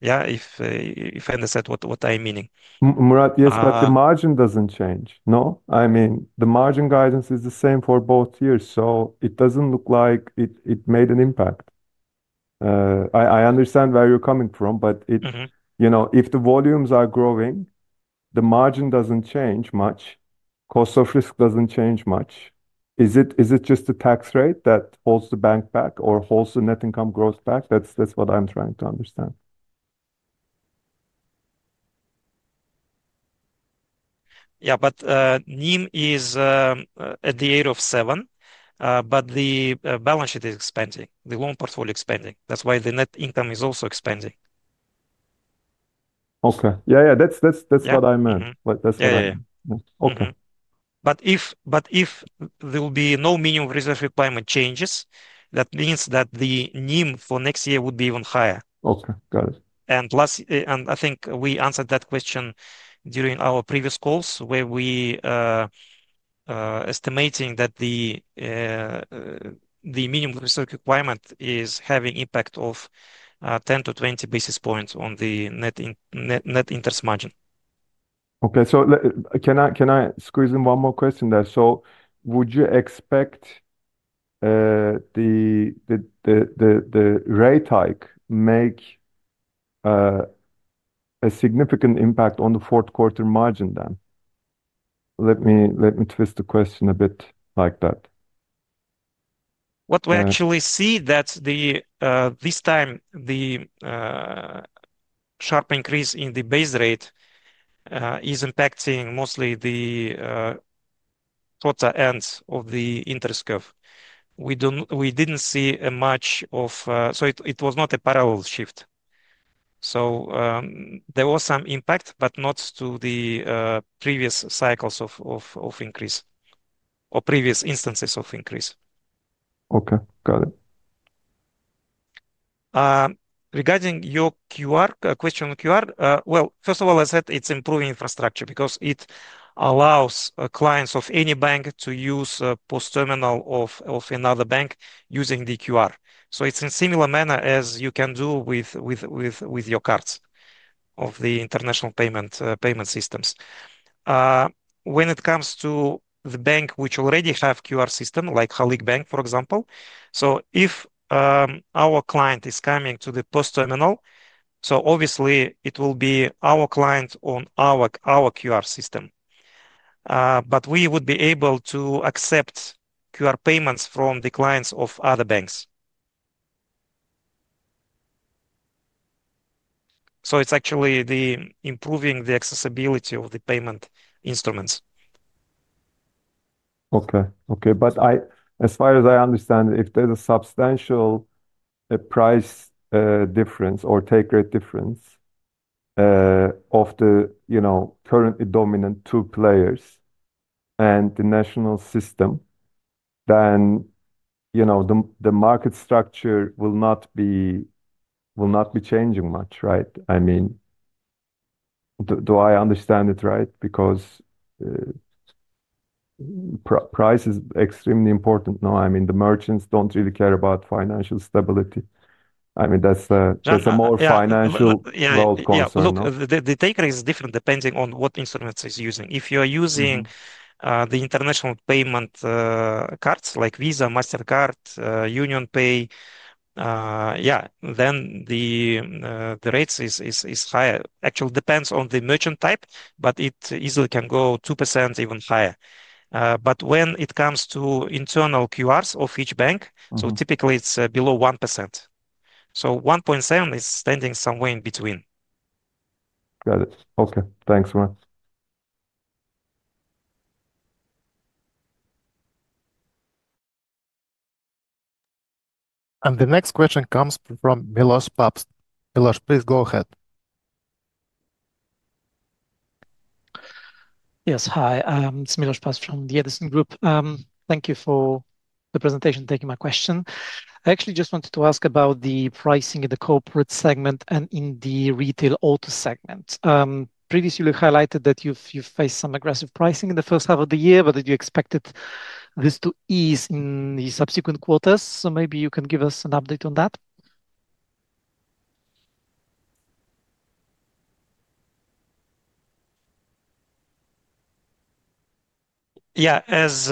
Yeah, if I understand what I mean. Murat, yes, but the margin does not change. No? I mean, the margin guidance is the same for both years, so it does not look like it made an impact. I understand where you are coming from, but if the volumes are growing, the margin does not change much. Cost of risk does not change much. Is it just the tax rate that holds the bank back or holds the net income growth back? That is what I am trying to understand. Yeah, but NIM is at the year of seven, but the balance sheet is expanding, the Loan portfolio is expanding. That is why the Net Income is also expanding. Okay. Yeah, yeah, that is what I meant. That is what I meant. Okay. If there will be no minimum reserve requirement changes, that means that the NIM for next year would be even higher. Okay, got it. I think we answered that question during our previous calls where we were estimating that the minimum reserve requirement is having an impact of 10-20 basis points on the net interest margin. Okay, can I squeeze in one more question there? Would you expect the rate hike to make a significant impact on the fourth-quarter margin then? Let me twist the question a bit like that. What we actually see is that this time, the sharp increase in the base rate is impacting mostly the shorter ends of the interest curve. We did not see much of—so it was not a parallel shift. There was some impact, but not to the previous cycles of increase or previous instances of increase. Okay, got it. Regarding your question on QR, first of all, I said it's improving infrastructure because it allows clients of any bank to use a POS terminal of another bank using the QR. It's in a similar manner as you can do with your cards of the international payment systems. When it comes to the bank which already has a QR system, like Halyk Bank, for example, if our client is coming to the POS terminal, obviously, it will be our client on our QR system. We would be able to accept QR payments from the clients of other banks. It's actually improving the accessibility of the payment instruments. Okay, okay. But as far as I understand, if there's a substantial price difference or take rate difference of the currently dominant two players and the national system, then the market structure will not be changing much, right? I mean, do I understand it right? Because price is extremely important. No, I mean, the merchants don't really care about financial stability. I mean, that's a more financial world concern. The take rate is different depending on what instruments it's using. If you're using the international payment cards like Visa, Mastercard, UnionPay, yeah, then the rate is higher. Actually, it depends on the merchant type, but it easily can go 2% even higher. But when it comes to internal QRs of each bank, so typically, it's below 1%. So 1.7% is standing somewhere in between. Got it. Okay. Thanks, Murat. And the next question comes from Milosz Papst. Milosz, please go ahead. Yes, hi. It's Milosz Papst from the Edison Group. Thank you for the presentation and taking my question. I actually just wanted to ask about the pricing in the Corporate segment and in the Retail Auto segment. Previously, you highlighted that you've faced some aggressive pricing in the first half of the year, but did you expect this to ease in the subsequent quarters? Maybe you can give us an update on that. Yeah, as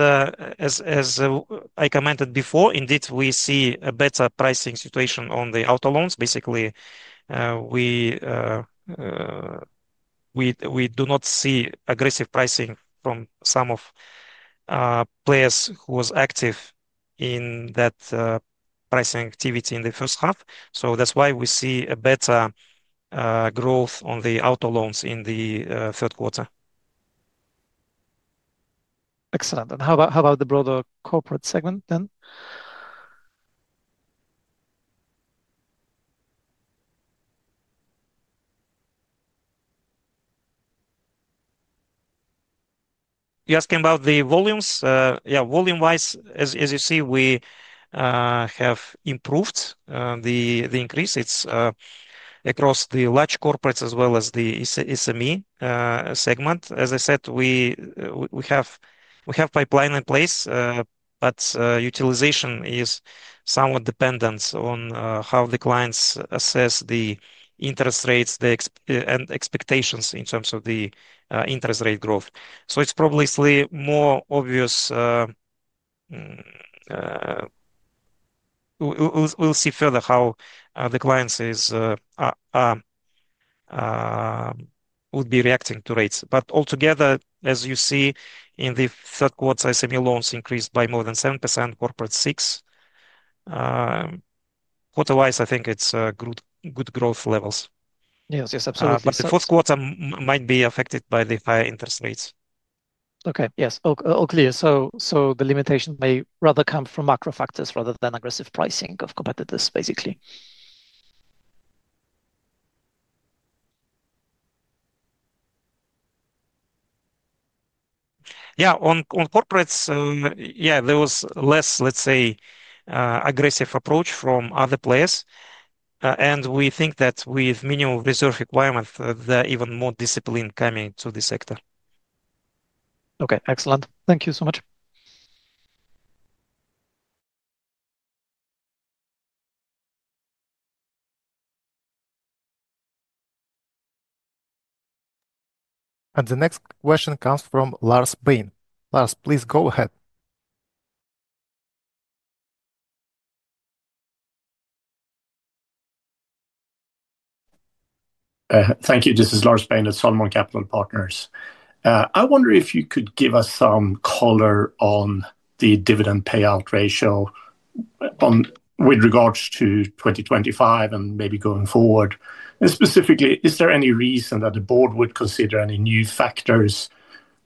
I commented before, indeed, we see a better pricing situation on the auto loans. Basically, we do not see aggressive pricing from some of players who were active in that pricing activity in the first half. That's why we see a better growth on the auto loans in the third quarter. Excellent. How about the broader Corporate segment then? You're asking about the volumes? Yeah, volume-wise, as you see, we have improved the increase. It's across the large corporates as well as the SME segment. As I said, we have pipeline in place, but utilization is somewhat dependent on how the clients assess the interest rates and expectations in terms of the interest rate growth. It's probably more obvious. We'll see further how the clients would be reacting to rates. Altogether, as you see, in the third quarter, SME loans increased by more than 7%, corporate 6%. Quarter-wise, I think it's good growth levels. Yes, yes, absolutely. The fourth quarter might be affected by the higher interest rates. Okay, yes. All clear. The limitation may rather come from macro factors rather than aggressive pricing of competitors, basically. Yeah, on corporates, yeah, there was less, let's say, aggressive approach from other players. We think that with minimum reserve requirement, there is even more discipline coming to the sector. Okay, excellent. Thank you so much. The next question comes from Lars Bain. Lars, please go ahead. Thank you. This is Lars Bain at Salomon Capital Partners. I wonder if you could give us some color on the dividend payout ratio with regards to 2025 and maybe going forward. Specifically, is there any reason that the Board would consider any new factors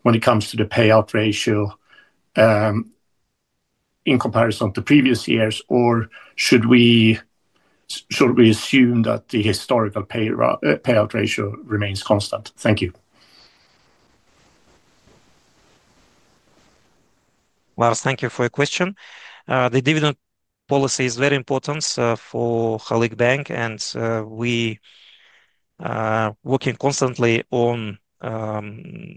when it comes to the payout ratio in comparison to previous years, or should we assume that the historical payout ratio remains constant? Thank you. Lars, thank you for your question. The dividend policy is very important for Halyk Bank, and we are working constantly on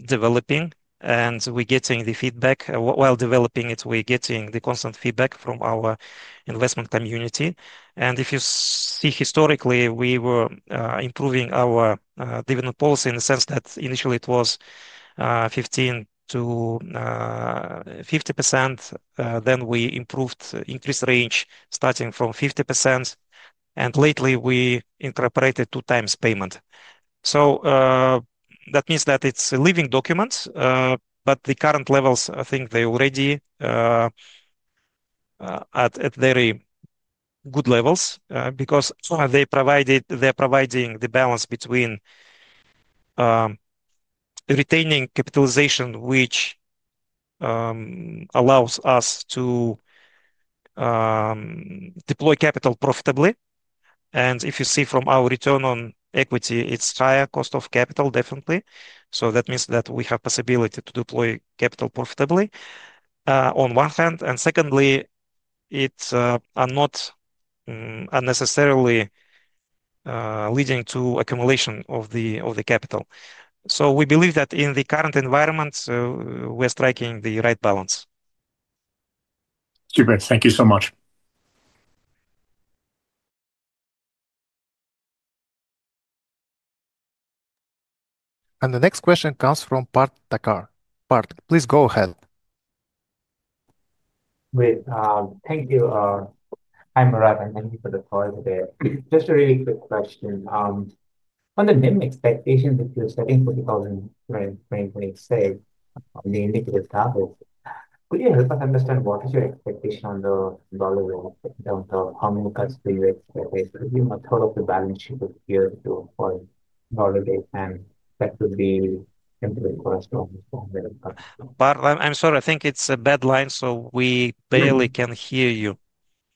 developing, and we're getting the feedback. While developing it, we're getting the constant feedback from our investment community. If you see, historically, we were improving our dividend policy in the sense that initially it was 15%-50%. Then we improved the increase range starting from 50%. Lately, we incorporated 2x payment. That means that it is a living document, but the current levels, I think they are already at very good levels because they are providing the balance between retaining capitalization, which allows us to deploy capital profitably. If you see from our return on equity, it is higher cost of capital, definitely. That means that we have the possibility to deploy capital profitably on one hand. Secondly, it is not unnecessarily leading to accumulation of the capital. We believe that in the current environment, we are striking the right balance. Super. Thank you so much. The next question comes from Part Takar. Part, please go ahead. Great. Thank you. Hi, Murat. Thank you for the call today. Just a really quick question. On the NIM expectations that you're setting for 2026 on the indicative capital, could you help us understand what is your expectation on the dollar rate? How many cuts do you expect? Give me a total of the balance sheet of year to falling holiday, and that would be simply for us to understand. Part, I'm sorry. I think it's a bad line, so we barely can hear you.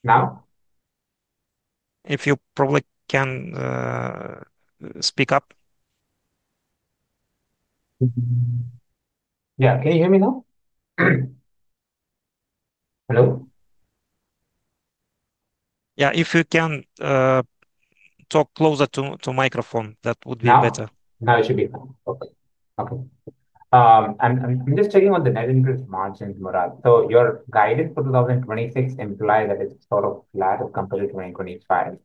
Now? If you probably can speak up. Yeah, can you hear me now? Hello? Yeah, if you can talk closer to the microphone, that would be better. Now it should be fine. Okay. Okay. I'm just checking on the net interest margins, Murat. So your guidance for 2026 implies that it's sort of flat compared to 2025.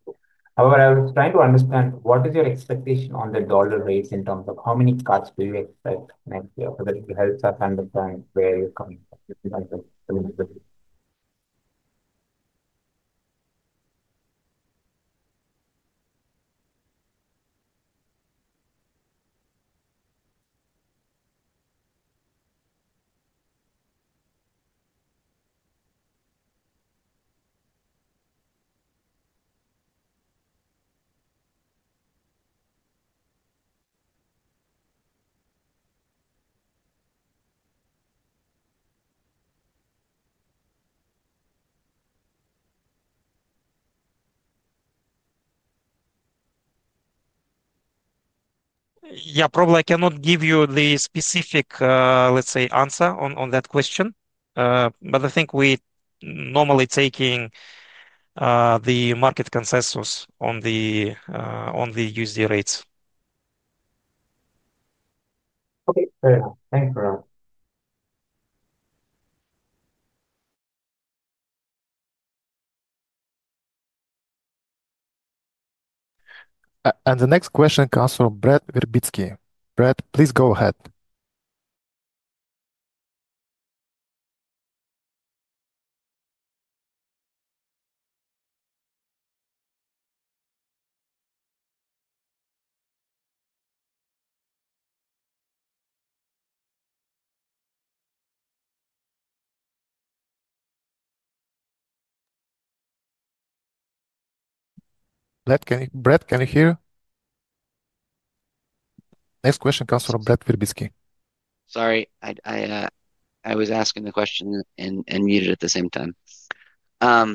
However, I was trying to understand what is your expectation on the dollar rates in terms of how many cuts do you expect next year? That helps us understand where you're coming from in terms of the interest. Yeah, probably I cannot give you the specific, let's say, answer on that question, but I think we're normally taking the market consensus on the USD rates. Okay. Very good. Thanks, Murat. The next question comes from Brad Verbitsky. Brad, please go ahead. Brad, can you hear? Next question comes from Brad Verbitsky. Sorry. I was asking the question and muted at the same time. I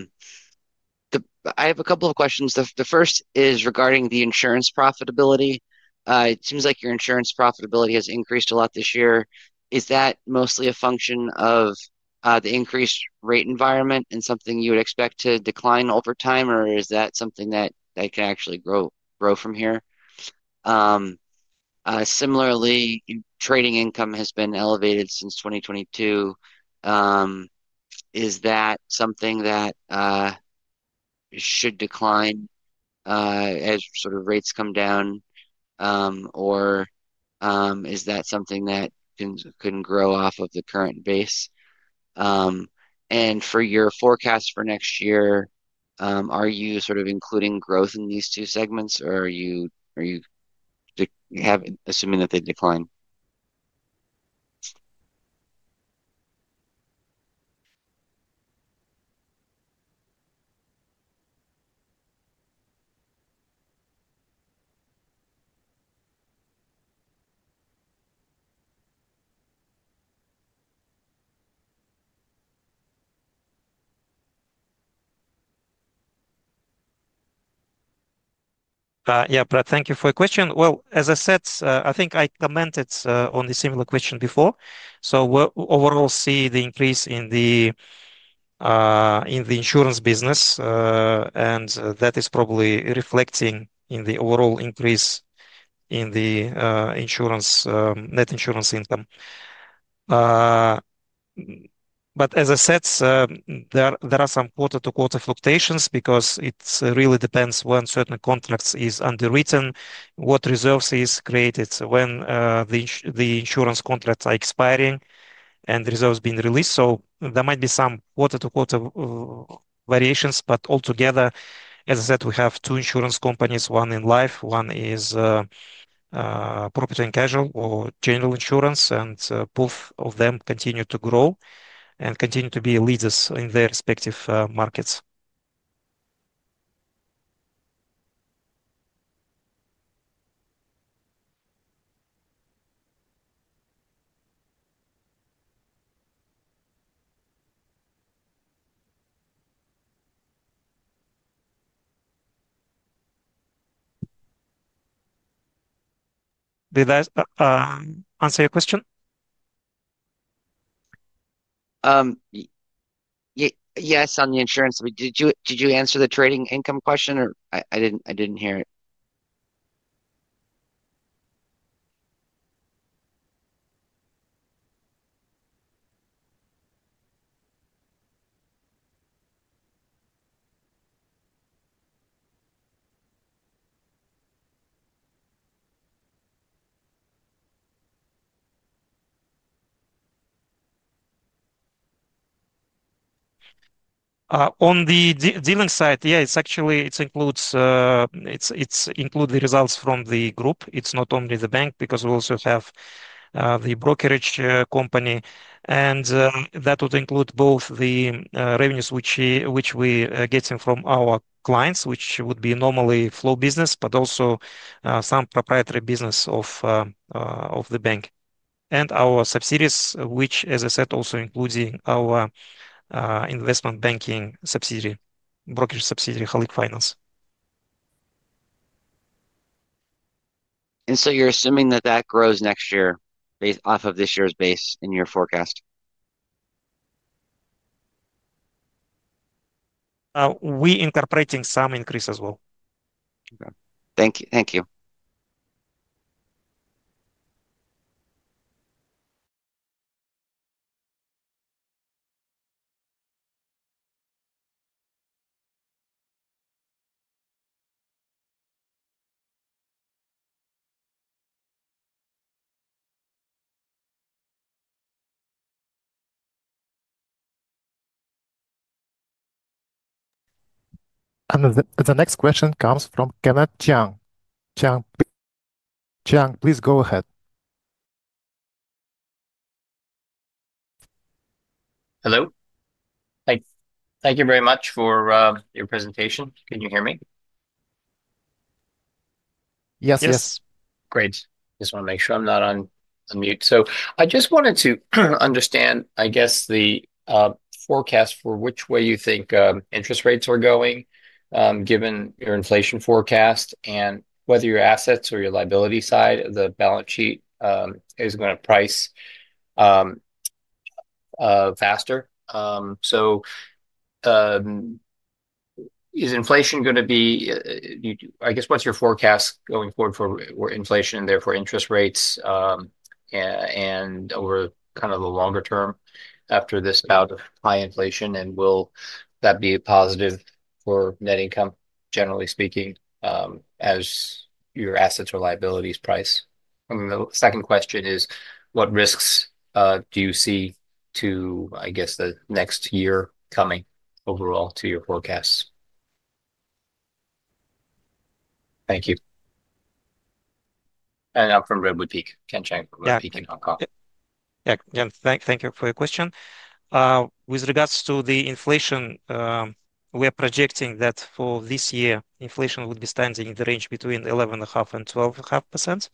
have a couple of questions. The first is regarding the insurance profitability. It seems like your insurance profitability has increased a lot this year. Is that mostly a function of the increased rate environment and something you would expect to decline over time, or is that something that can actually grow from here? Similarly, trading income has been elevated since 2022. Is that something that should decline as sort of rates come down, or is that something that can grow off of the current base? For your forecast for next year, are you sort of including growth in these two segments, or are you assuming that they decline? Yeah, Brad, thank you for the question. As I said, I think I commented on the similar question before. We will overall see the increase in the insurance business, and that is probably reflecting in the overall increase in the net insurance income. As I said, there are some quarter-to-quarter fluctuations because it really depends when certain contracts are underwritten, what reserves are created, when the insurance contracts are expiring, and reserves are being released. There might be some quarter-to-quarter variations. Altogether, as I said, we have two insurance companies: one in life, one is property and casualty or general insurance, and both of them continue to grow and continue to be leaders in their respective markets. Did I answer your question? Yes, on the Insurance. Did you answer the trading income question, or I did not hear it? On the dealing side, yeah, it includes the results from the group. It's not only the bank because we also have the Brokerage company, and that would include both the revenues which we are getting from our clients, which would be normally flow business, but also some proprietary business of the bank, and our subsidiaries, which, as I said, also include our investment banking brokerage subsidiary, Halyk Finance. You are assuming that that grows next year off of this year's base in your forecast? We are incorporating some increase as well. Okay. Thank you. The next question comes from Kenneth Chiang. Chiang, please go ahead. Hello? Thank you very much for your presentation. Can you hear me? Yes. Yes. Great. Just want to make sure I'm not on mute. I just wanted to understand, I guess, the forecast for which way you think interest rates are going, given your inflation forecast, and whether your assets or your liability side of the balance sheet is going to price faster. Is inflation going to be—I guess, what's your forecast going forward for inflation, therefore, interest rates, and over kind of the longer term after this bout of high inflation, and will that be a positive for Net Income, generally speaking, as your assets or liabilities price? The second question is, what risks do you see to, I guess, the next year coming overall to your forecasts? Thank you. I'm from Redwood Peak, Ken Chiang, Redwood Peak in Hong Kong. Yeah. Thank you for your question. With regards to the inflation, we are projecting that for this year, inflation would be standing in the range between 11.5% and 12.5%,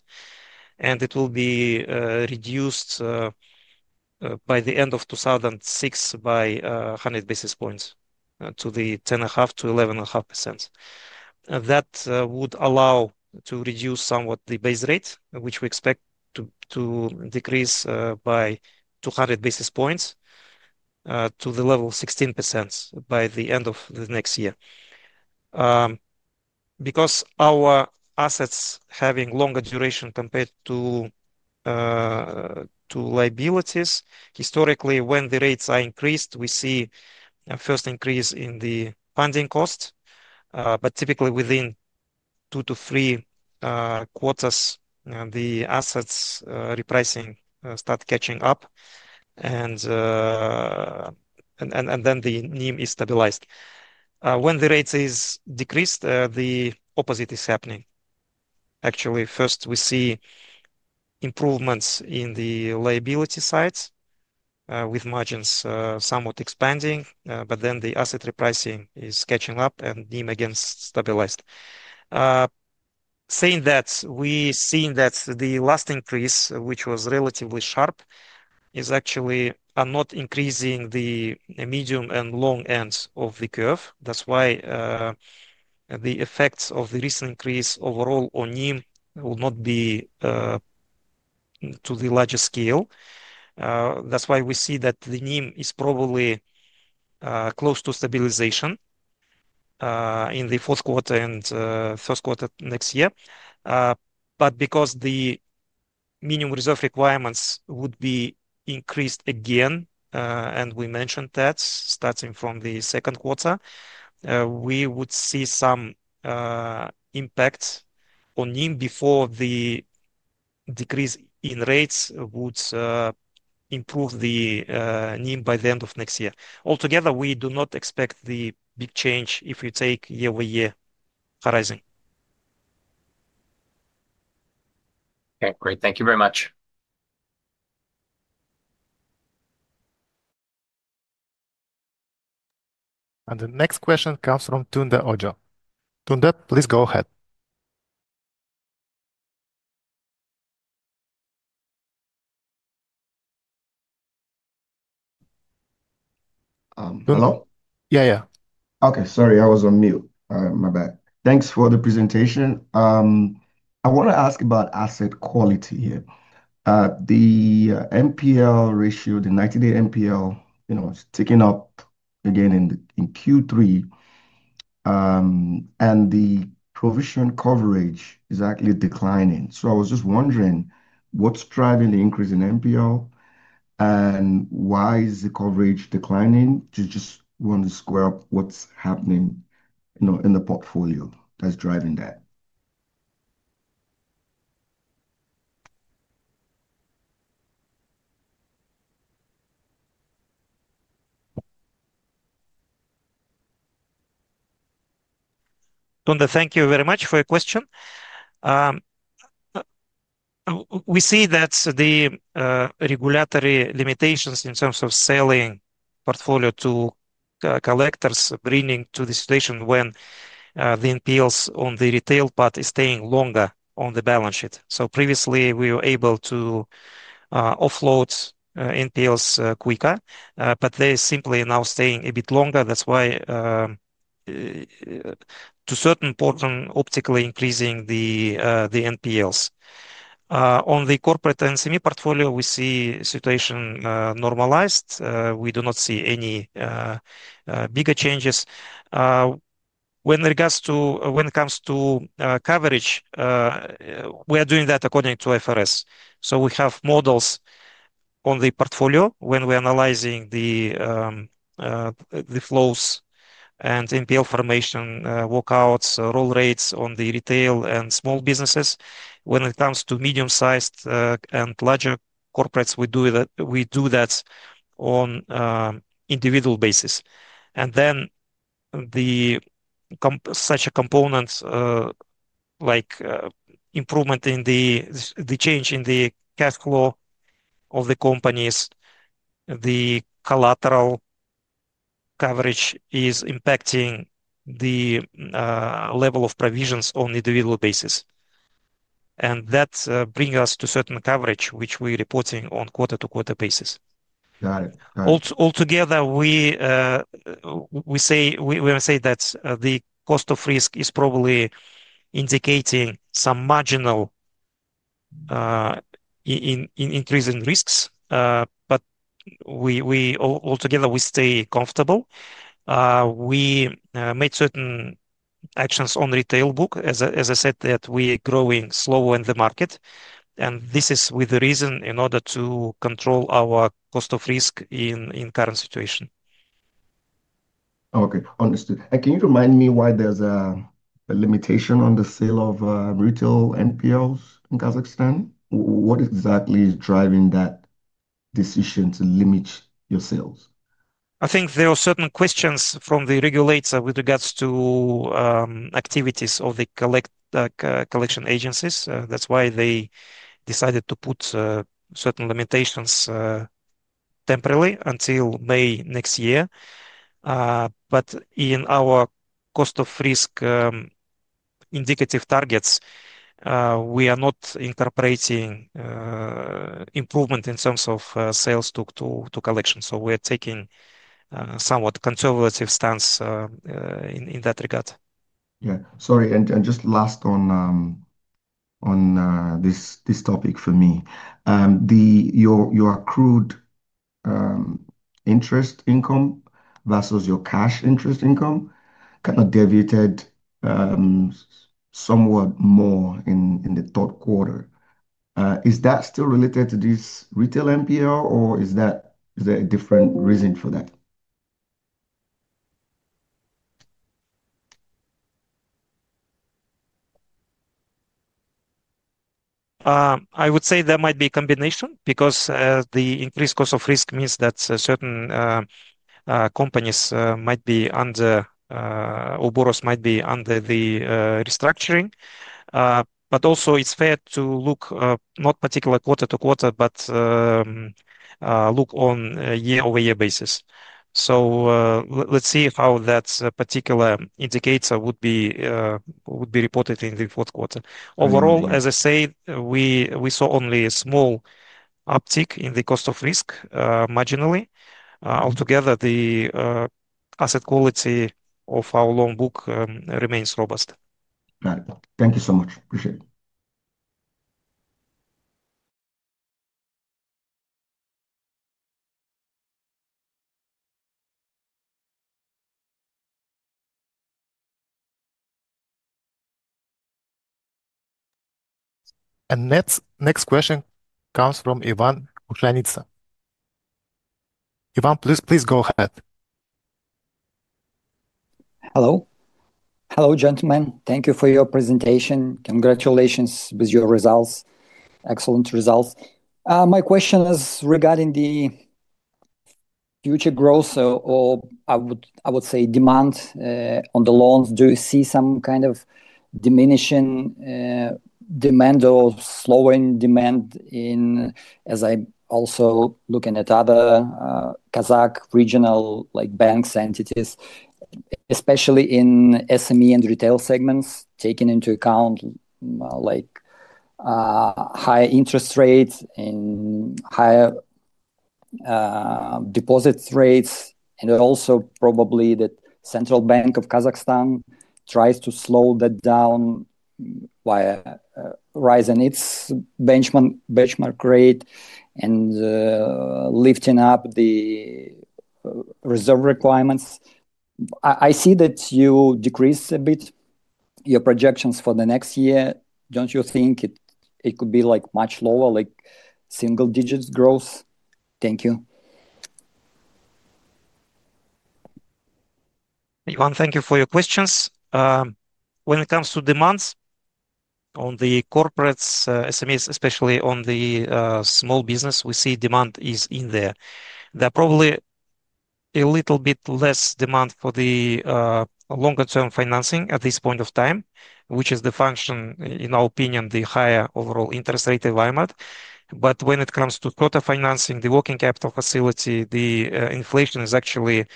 and it will be reduced by the end of 2026 by 100 basis points to the 10.5%-11.5%. That would allow to reduce somewhat the base rate, which we expect to decrease by 200 basis points to the level of 16% by the end of the next year. Because our assets have a longer duration compared to liabilities, historically, when the rates are increased, we see a first increase in the funding cost. Typically, within two to three quarters, the assets repricing start catching up, and then the NIM is stabilized. When the rate is decreased, the opposite is happening. Actually, first, we see improvements in the liability sides with margins somewhat expanding, but then the asset repricing is catching up, and NIM again stabilized. Saying that, we're seeing that the last increase, which was relatively sharp, is actually not increasing the medium and long ends of the curve. That is why the effects of the recent increase overall on NIM will not be to the larger scale. That is why we see that the NIM is probably close to stabilization in the fourth quarter and first quarter next year. Because the minimum reserve requirements would be increased again, and we mentioned that starting from the second quarter, we would see some impact on NIM before the decrease in rates would improve the NIM by the end of next year. Altogether, we do not expect the big change if we take year-over-year horizon. Okay. Great. Thank you very much. The next question comes from Tunda Ojo. Tunda, please go ahead. Hello? Yeah, yeah. Okay. Sorry. I was on mute. My bad. Thanks for the presentation. I want to ask about asset quality here. The NPL ratio, the 90-day NPL, is ticking up again in Q3, and the provision coverage is actually declining. I was just wondering what's driving the increase in NPL, and why is the coverage declining? I just want to square up what's happening in the portfolio that's driving that. Tunda, thank you very much for your question. We see that the regulatory limitations in terms of Selling portfolio to collectors are bringing to the situation when the NPLs on the retail part are staying longer on the balance sheet. Previously, we were able to offload NPLs quicker, but they're simply now staying a bit longer. That's why, to a certain point, optically increasing the NPLs. On the Corporate and Semi-portfolio, we see the situation normalized. We do not see any bigger changes. When it comes to coverage, we are doing that according to IFRS. We have models on the portfolio when we're analyzing the flows and NPL formation, walkouts, roll rates on the retail and small businesses. When it comes to medium-sized and larger corporates, we do that on an individual basis. Such a component like improvement in the change in the cash flow of the companies, the collateral coverage is impacting the level of provisions on an individual basis. That brings us to certain coverage, which we're reporting on quarter-to-quarter basis. Got it. Got it. Altogether, we say that the cost of risk is probably indicating some marginal increase in risks, but altogether, we stay comfortable. We made certain actions on the retail book, as I said, that we are growing slower in the market. This is with a reason in order to control our cost of risk in the current situation. Okay. Understood. Can you remind me why there is a limitation on the sale of retail NPLs in Kazakhstan? What exactly is driving that decision to limit your sales? I think there are certain questions from the regulators with regards to activities of the collection agencies. That is why they decided to put certain limitations temporarily until May next year. In our cost of risk indicative targets, we are not incorporating improvement in terms of sales to collections. We are taking somewhat conservative stance in that regard. Yeah. Sorry. Just last on this topic for me. Your accrued interest income versus your cash interest income kind of deviated somewhat more in the third quarter. Is that still related to this retail NPL, or is there a different reason for that? I would say there might be a combination because the increased cost of risk means that certain companies might be under or borrowers might be under the restructuring. Also, it's fair to look not particularly quarter-to-quarter, but look on a year-over-year basis. Let's see how that particular indicator would be reported in the fourth quarter. Overall, as I said, we saw only a small uptick in the cost of risk marginally. Altogether, the asset quality of our loan book remains robust. Thank you so much. Appreciate it. The next question comes from Ivan Kushanytsa. Ivan, please go ahead. Hello. Hello, gentlemen. Thank you for your presentation. Congratulations with your results. Excellent results. My question is regarding the future growth, or I would say demand on the loans. Do you see some kind of diminishing demand or slowing demand in, as I'm also looking at other Kazakh regional banks entities, especially in SME and Retail segments, taking into account higher interest rates and higher deposit rates? Also, probably that the Central Bank of Kazakhstan tries to slow that down by raising its benchmark rate and lifting up the reserve requirements. I see that you decreased a bit your projections for the next year. Do not you think it could be much lower, single-digit growth? Thank you. Ivan, thank you for your questions. When it comes to demands on the corporate SMEs, especially on the small business, we see demand is in there. There is probably a little bit less demand for the longer-term financing at this point of time, which is the function, in our opinion, the higher overall interest rate environment. When it comes to total financing, the working capital facility, the inflation is actually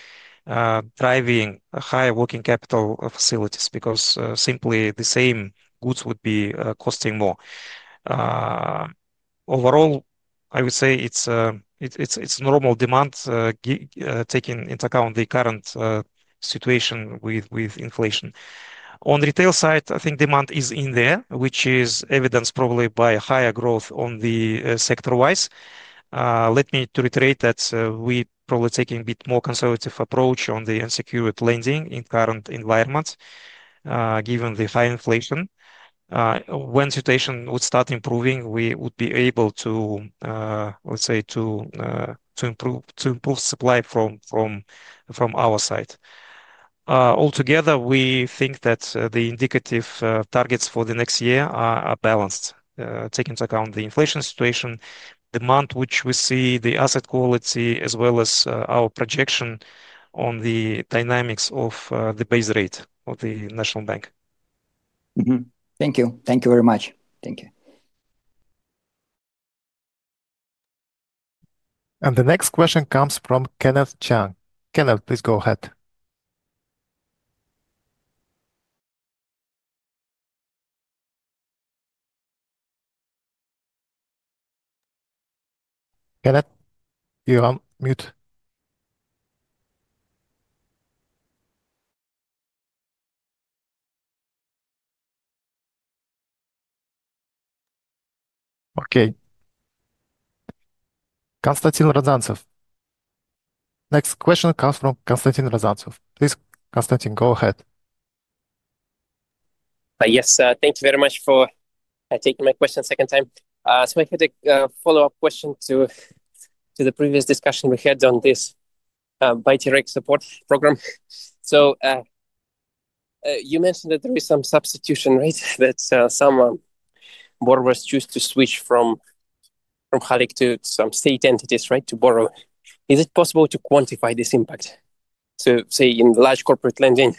driving higher working capital facilities because simply the same goods would be costing more. Overall, I would say it's normal demand taking into account the current situation with inflation. On the Retail side, I think demand is in there, which is evidenced probably by higher growth sector-wise. Let me reiterate that we're probably taking a bit more conservative approach on the unsecured lending in the current environment, given the high inflation. When the situation would start improving, we would be able to, let's say, to improve supply from our side. Altogether, we think that the indicative targets for the next year are balanced, taking into account the inflation situation, the month which we see, the asset quality, as well as our projection on the dynamics of the base rate of the National Bank. Thank you. Thank you very much. Thank you. The next question comes from Kenneth Chiang. Kenneth, please go ahead. Kenneth, you're on mute. Okay. Konstantin Rozantsev. Next question comes from Konstantin Rozantsev. Please, Konstantin, go ahead. Yes. Thank you very much for taking my question a second time. I had a follow-up question to the previous discussion we had on this Buy Direct Support Program. You mentioned that there is some substitution, right, that some borrowers choose to switch from Halyk to some state entities, right, to borrow. Is it possible to quantify this impact? In large corporate lending,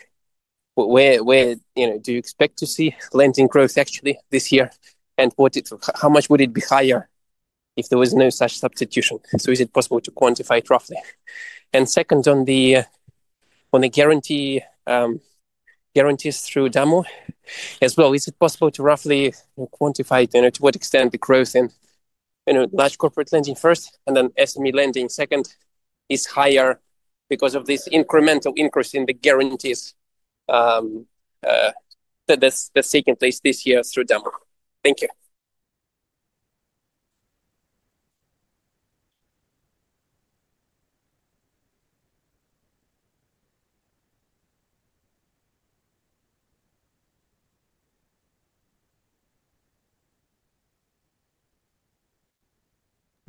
do you expect to see Lending growth actually this year? How much would it be higher if there was no such substitution? Is it possible to quantify it roughly? Second, on the guarantees through Damu as well, is it possible to roughly quantify to what extent the growth in large corporate lending first and then SME lending second is higher because of this incremental increase in the guarantees that they are seeking this year through Damu? Thank you.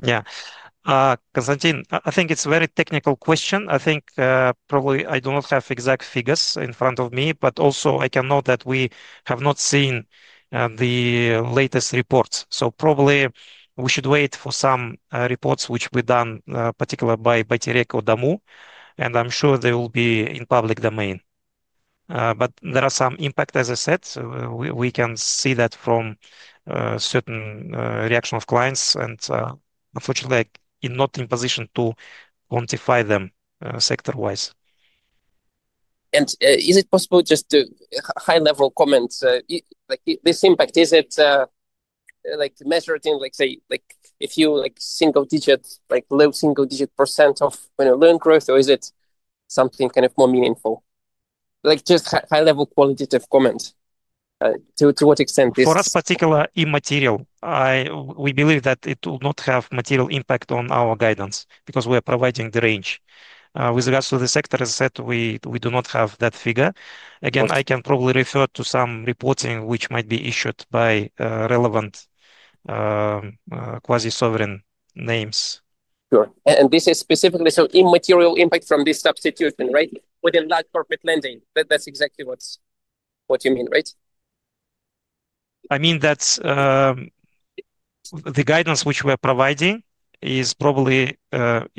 Yeah. Konstantin, I think it is a very technical question. I think probably I do not have exact figures in front of me, but also I can note that we have not seen the latest reports. Probably we should wait for some reports which will be done particularly by Buy Direct or Damu. I am sure they will be in the public domain. There are some impacts, as I said. We can see that from certain reactions of clients. Unfortunately, I am not in a position to quantify them sector-wise. Is it possible just to high-level comment? This impact, is it measured in, say, a few single-digit, low single-digit percent of loan growth, or is it something kind of more meaningful? Just high-level qualitative comment. To what extent is? For us, particularly immaterial. We believe that it will not have material impact on our guidance because we are providing the range. With regards to the sector, as I said, we do not have that figure. Again, I can probably refer to some reporting which might be issued by relevant quasi-sovereign names. Sure. This is specifically so immaterial impact from this substitution, right? Within large corporate lending, that is exactly what you mean, right? I mean, the guidance which we are providing is probably not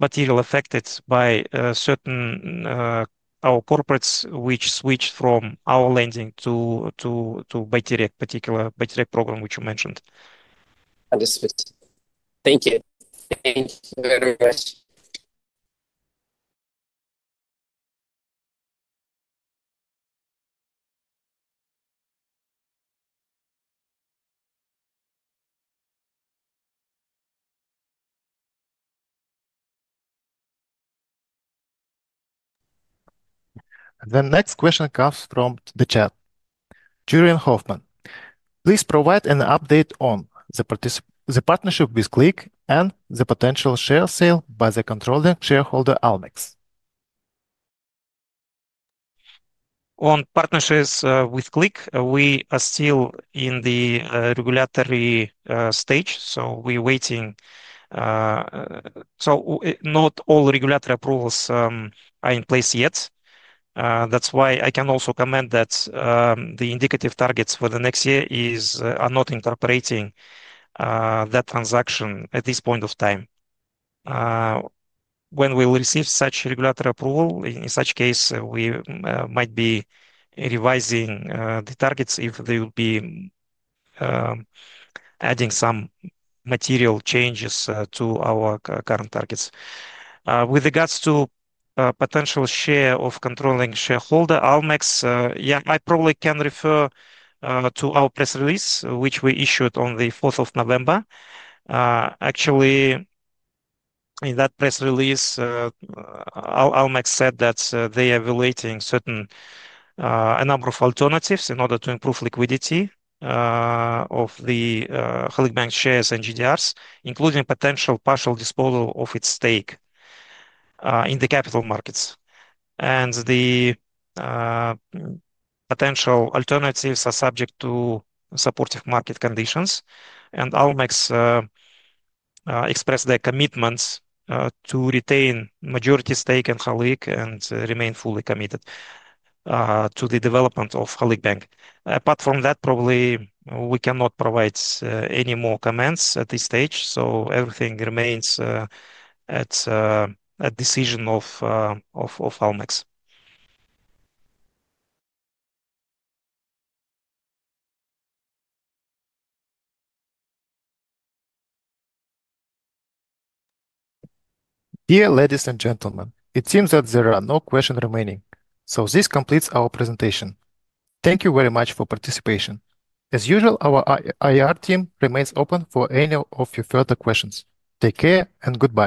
materially affected by certain our corporates which switched from our lending to Buy Direct, particular Buy Direct Program which you mentioned. Understood. Thank you. Thank you very much. The next question comes from the chat. Jurrien Hoffman, please provide an update on the partnership with Click and the potential share sale by the controlling shareholder, ALMEX. On partnerships with Click, we are still in the regulatory stage. We are waiting. Not all regulatory approvals are in place yet. That is why I can also comment that the indicative targets for the next year are not incorporating that transaction at this point of time. When we receive such regulatory approval, in such case, we might be revising the targets if they will be adding some material changes to our current targets. With regards to potential share of controlling shareholder, ALMEX, I probably can refer to our press release which we issued on the 4th of November. Actually, in that press release, ALMEX said that they are evaluating a number of alternatives in order to improve liquidity of the Halyk Bank shares and GDRs, including potential partial disposal of its stake in the capital markets. The potential alternatives are subject to supportive market conditions. ALMEX expressed their commitment to retain majority stake in Halyk and remain fully committed to the development of Halyk Bank. Apart from that, probably we cannot provide any more comments at this stage. Everything remains at the decision of ALMEX. Dear ladies and gentlemen, it seems that there are no questions remaining. This completes our presentation. Thank you very much for participation. As usual, our IR Team remains open for any of your further questions. Take care and goodbye.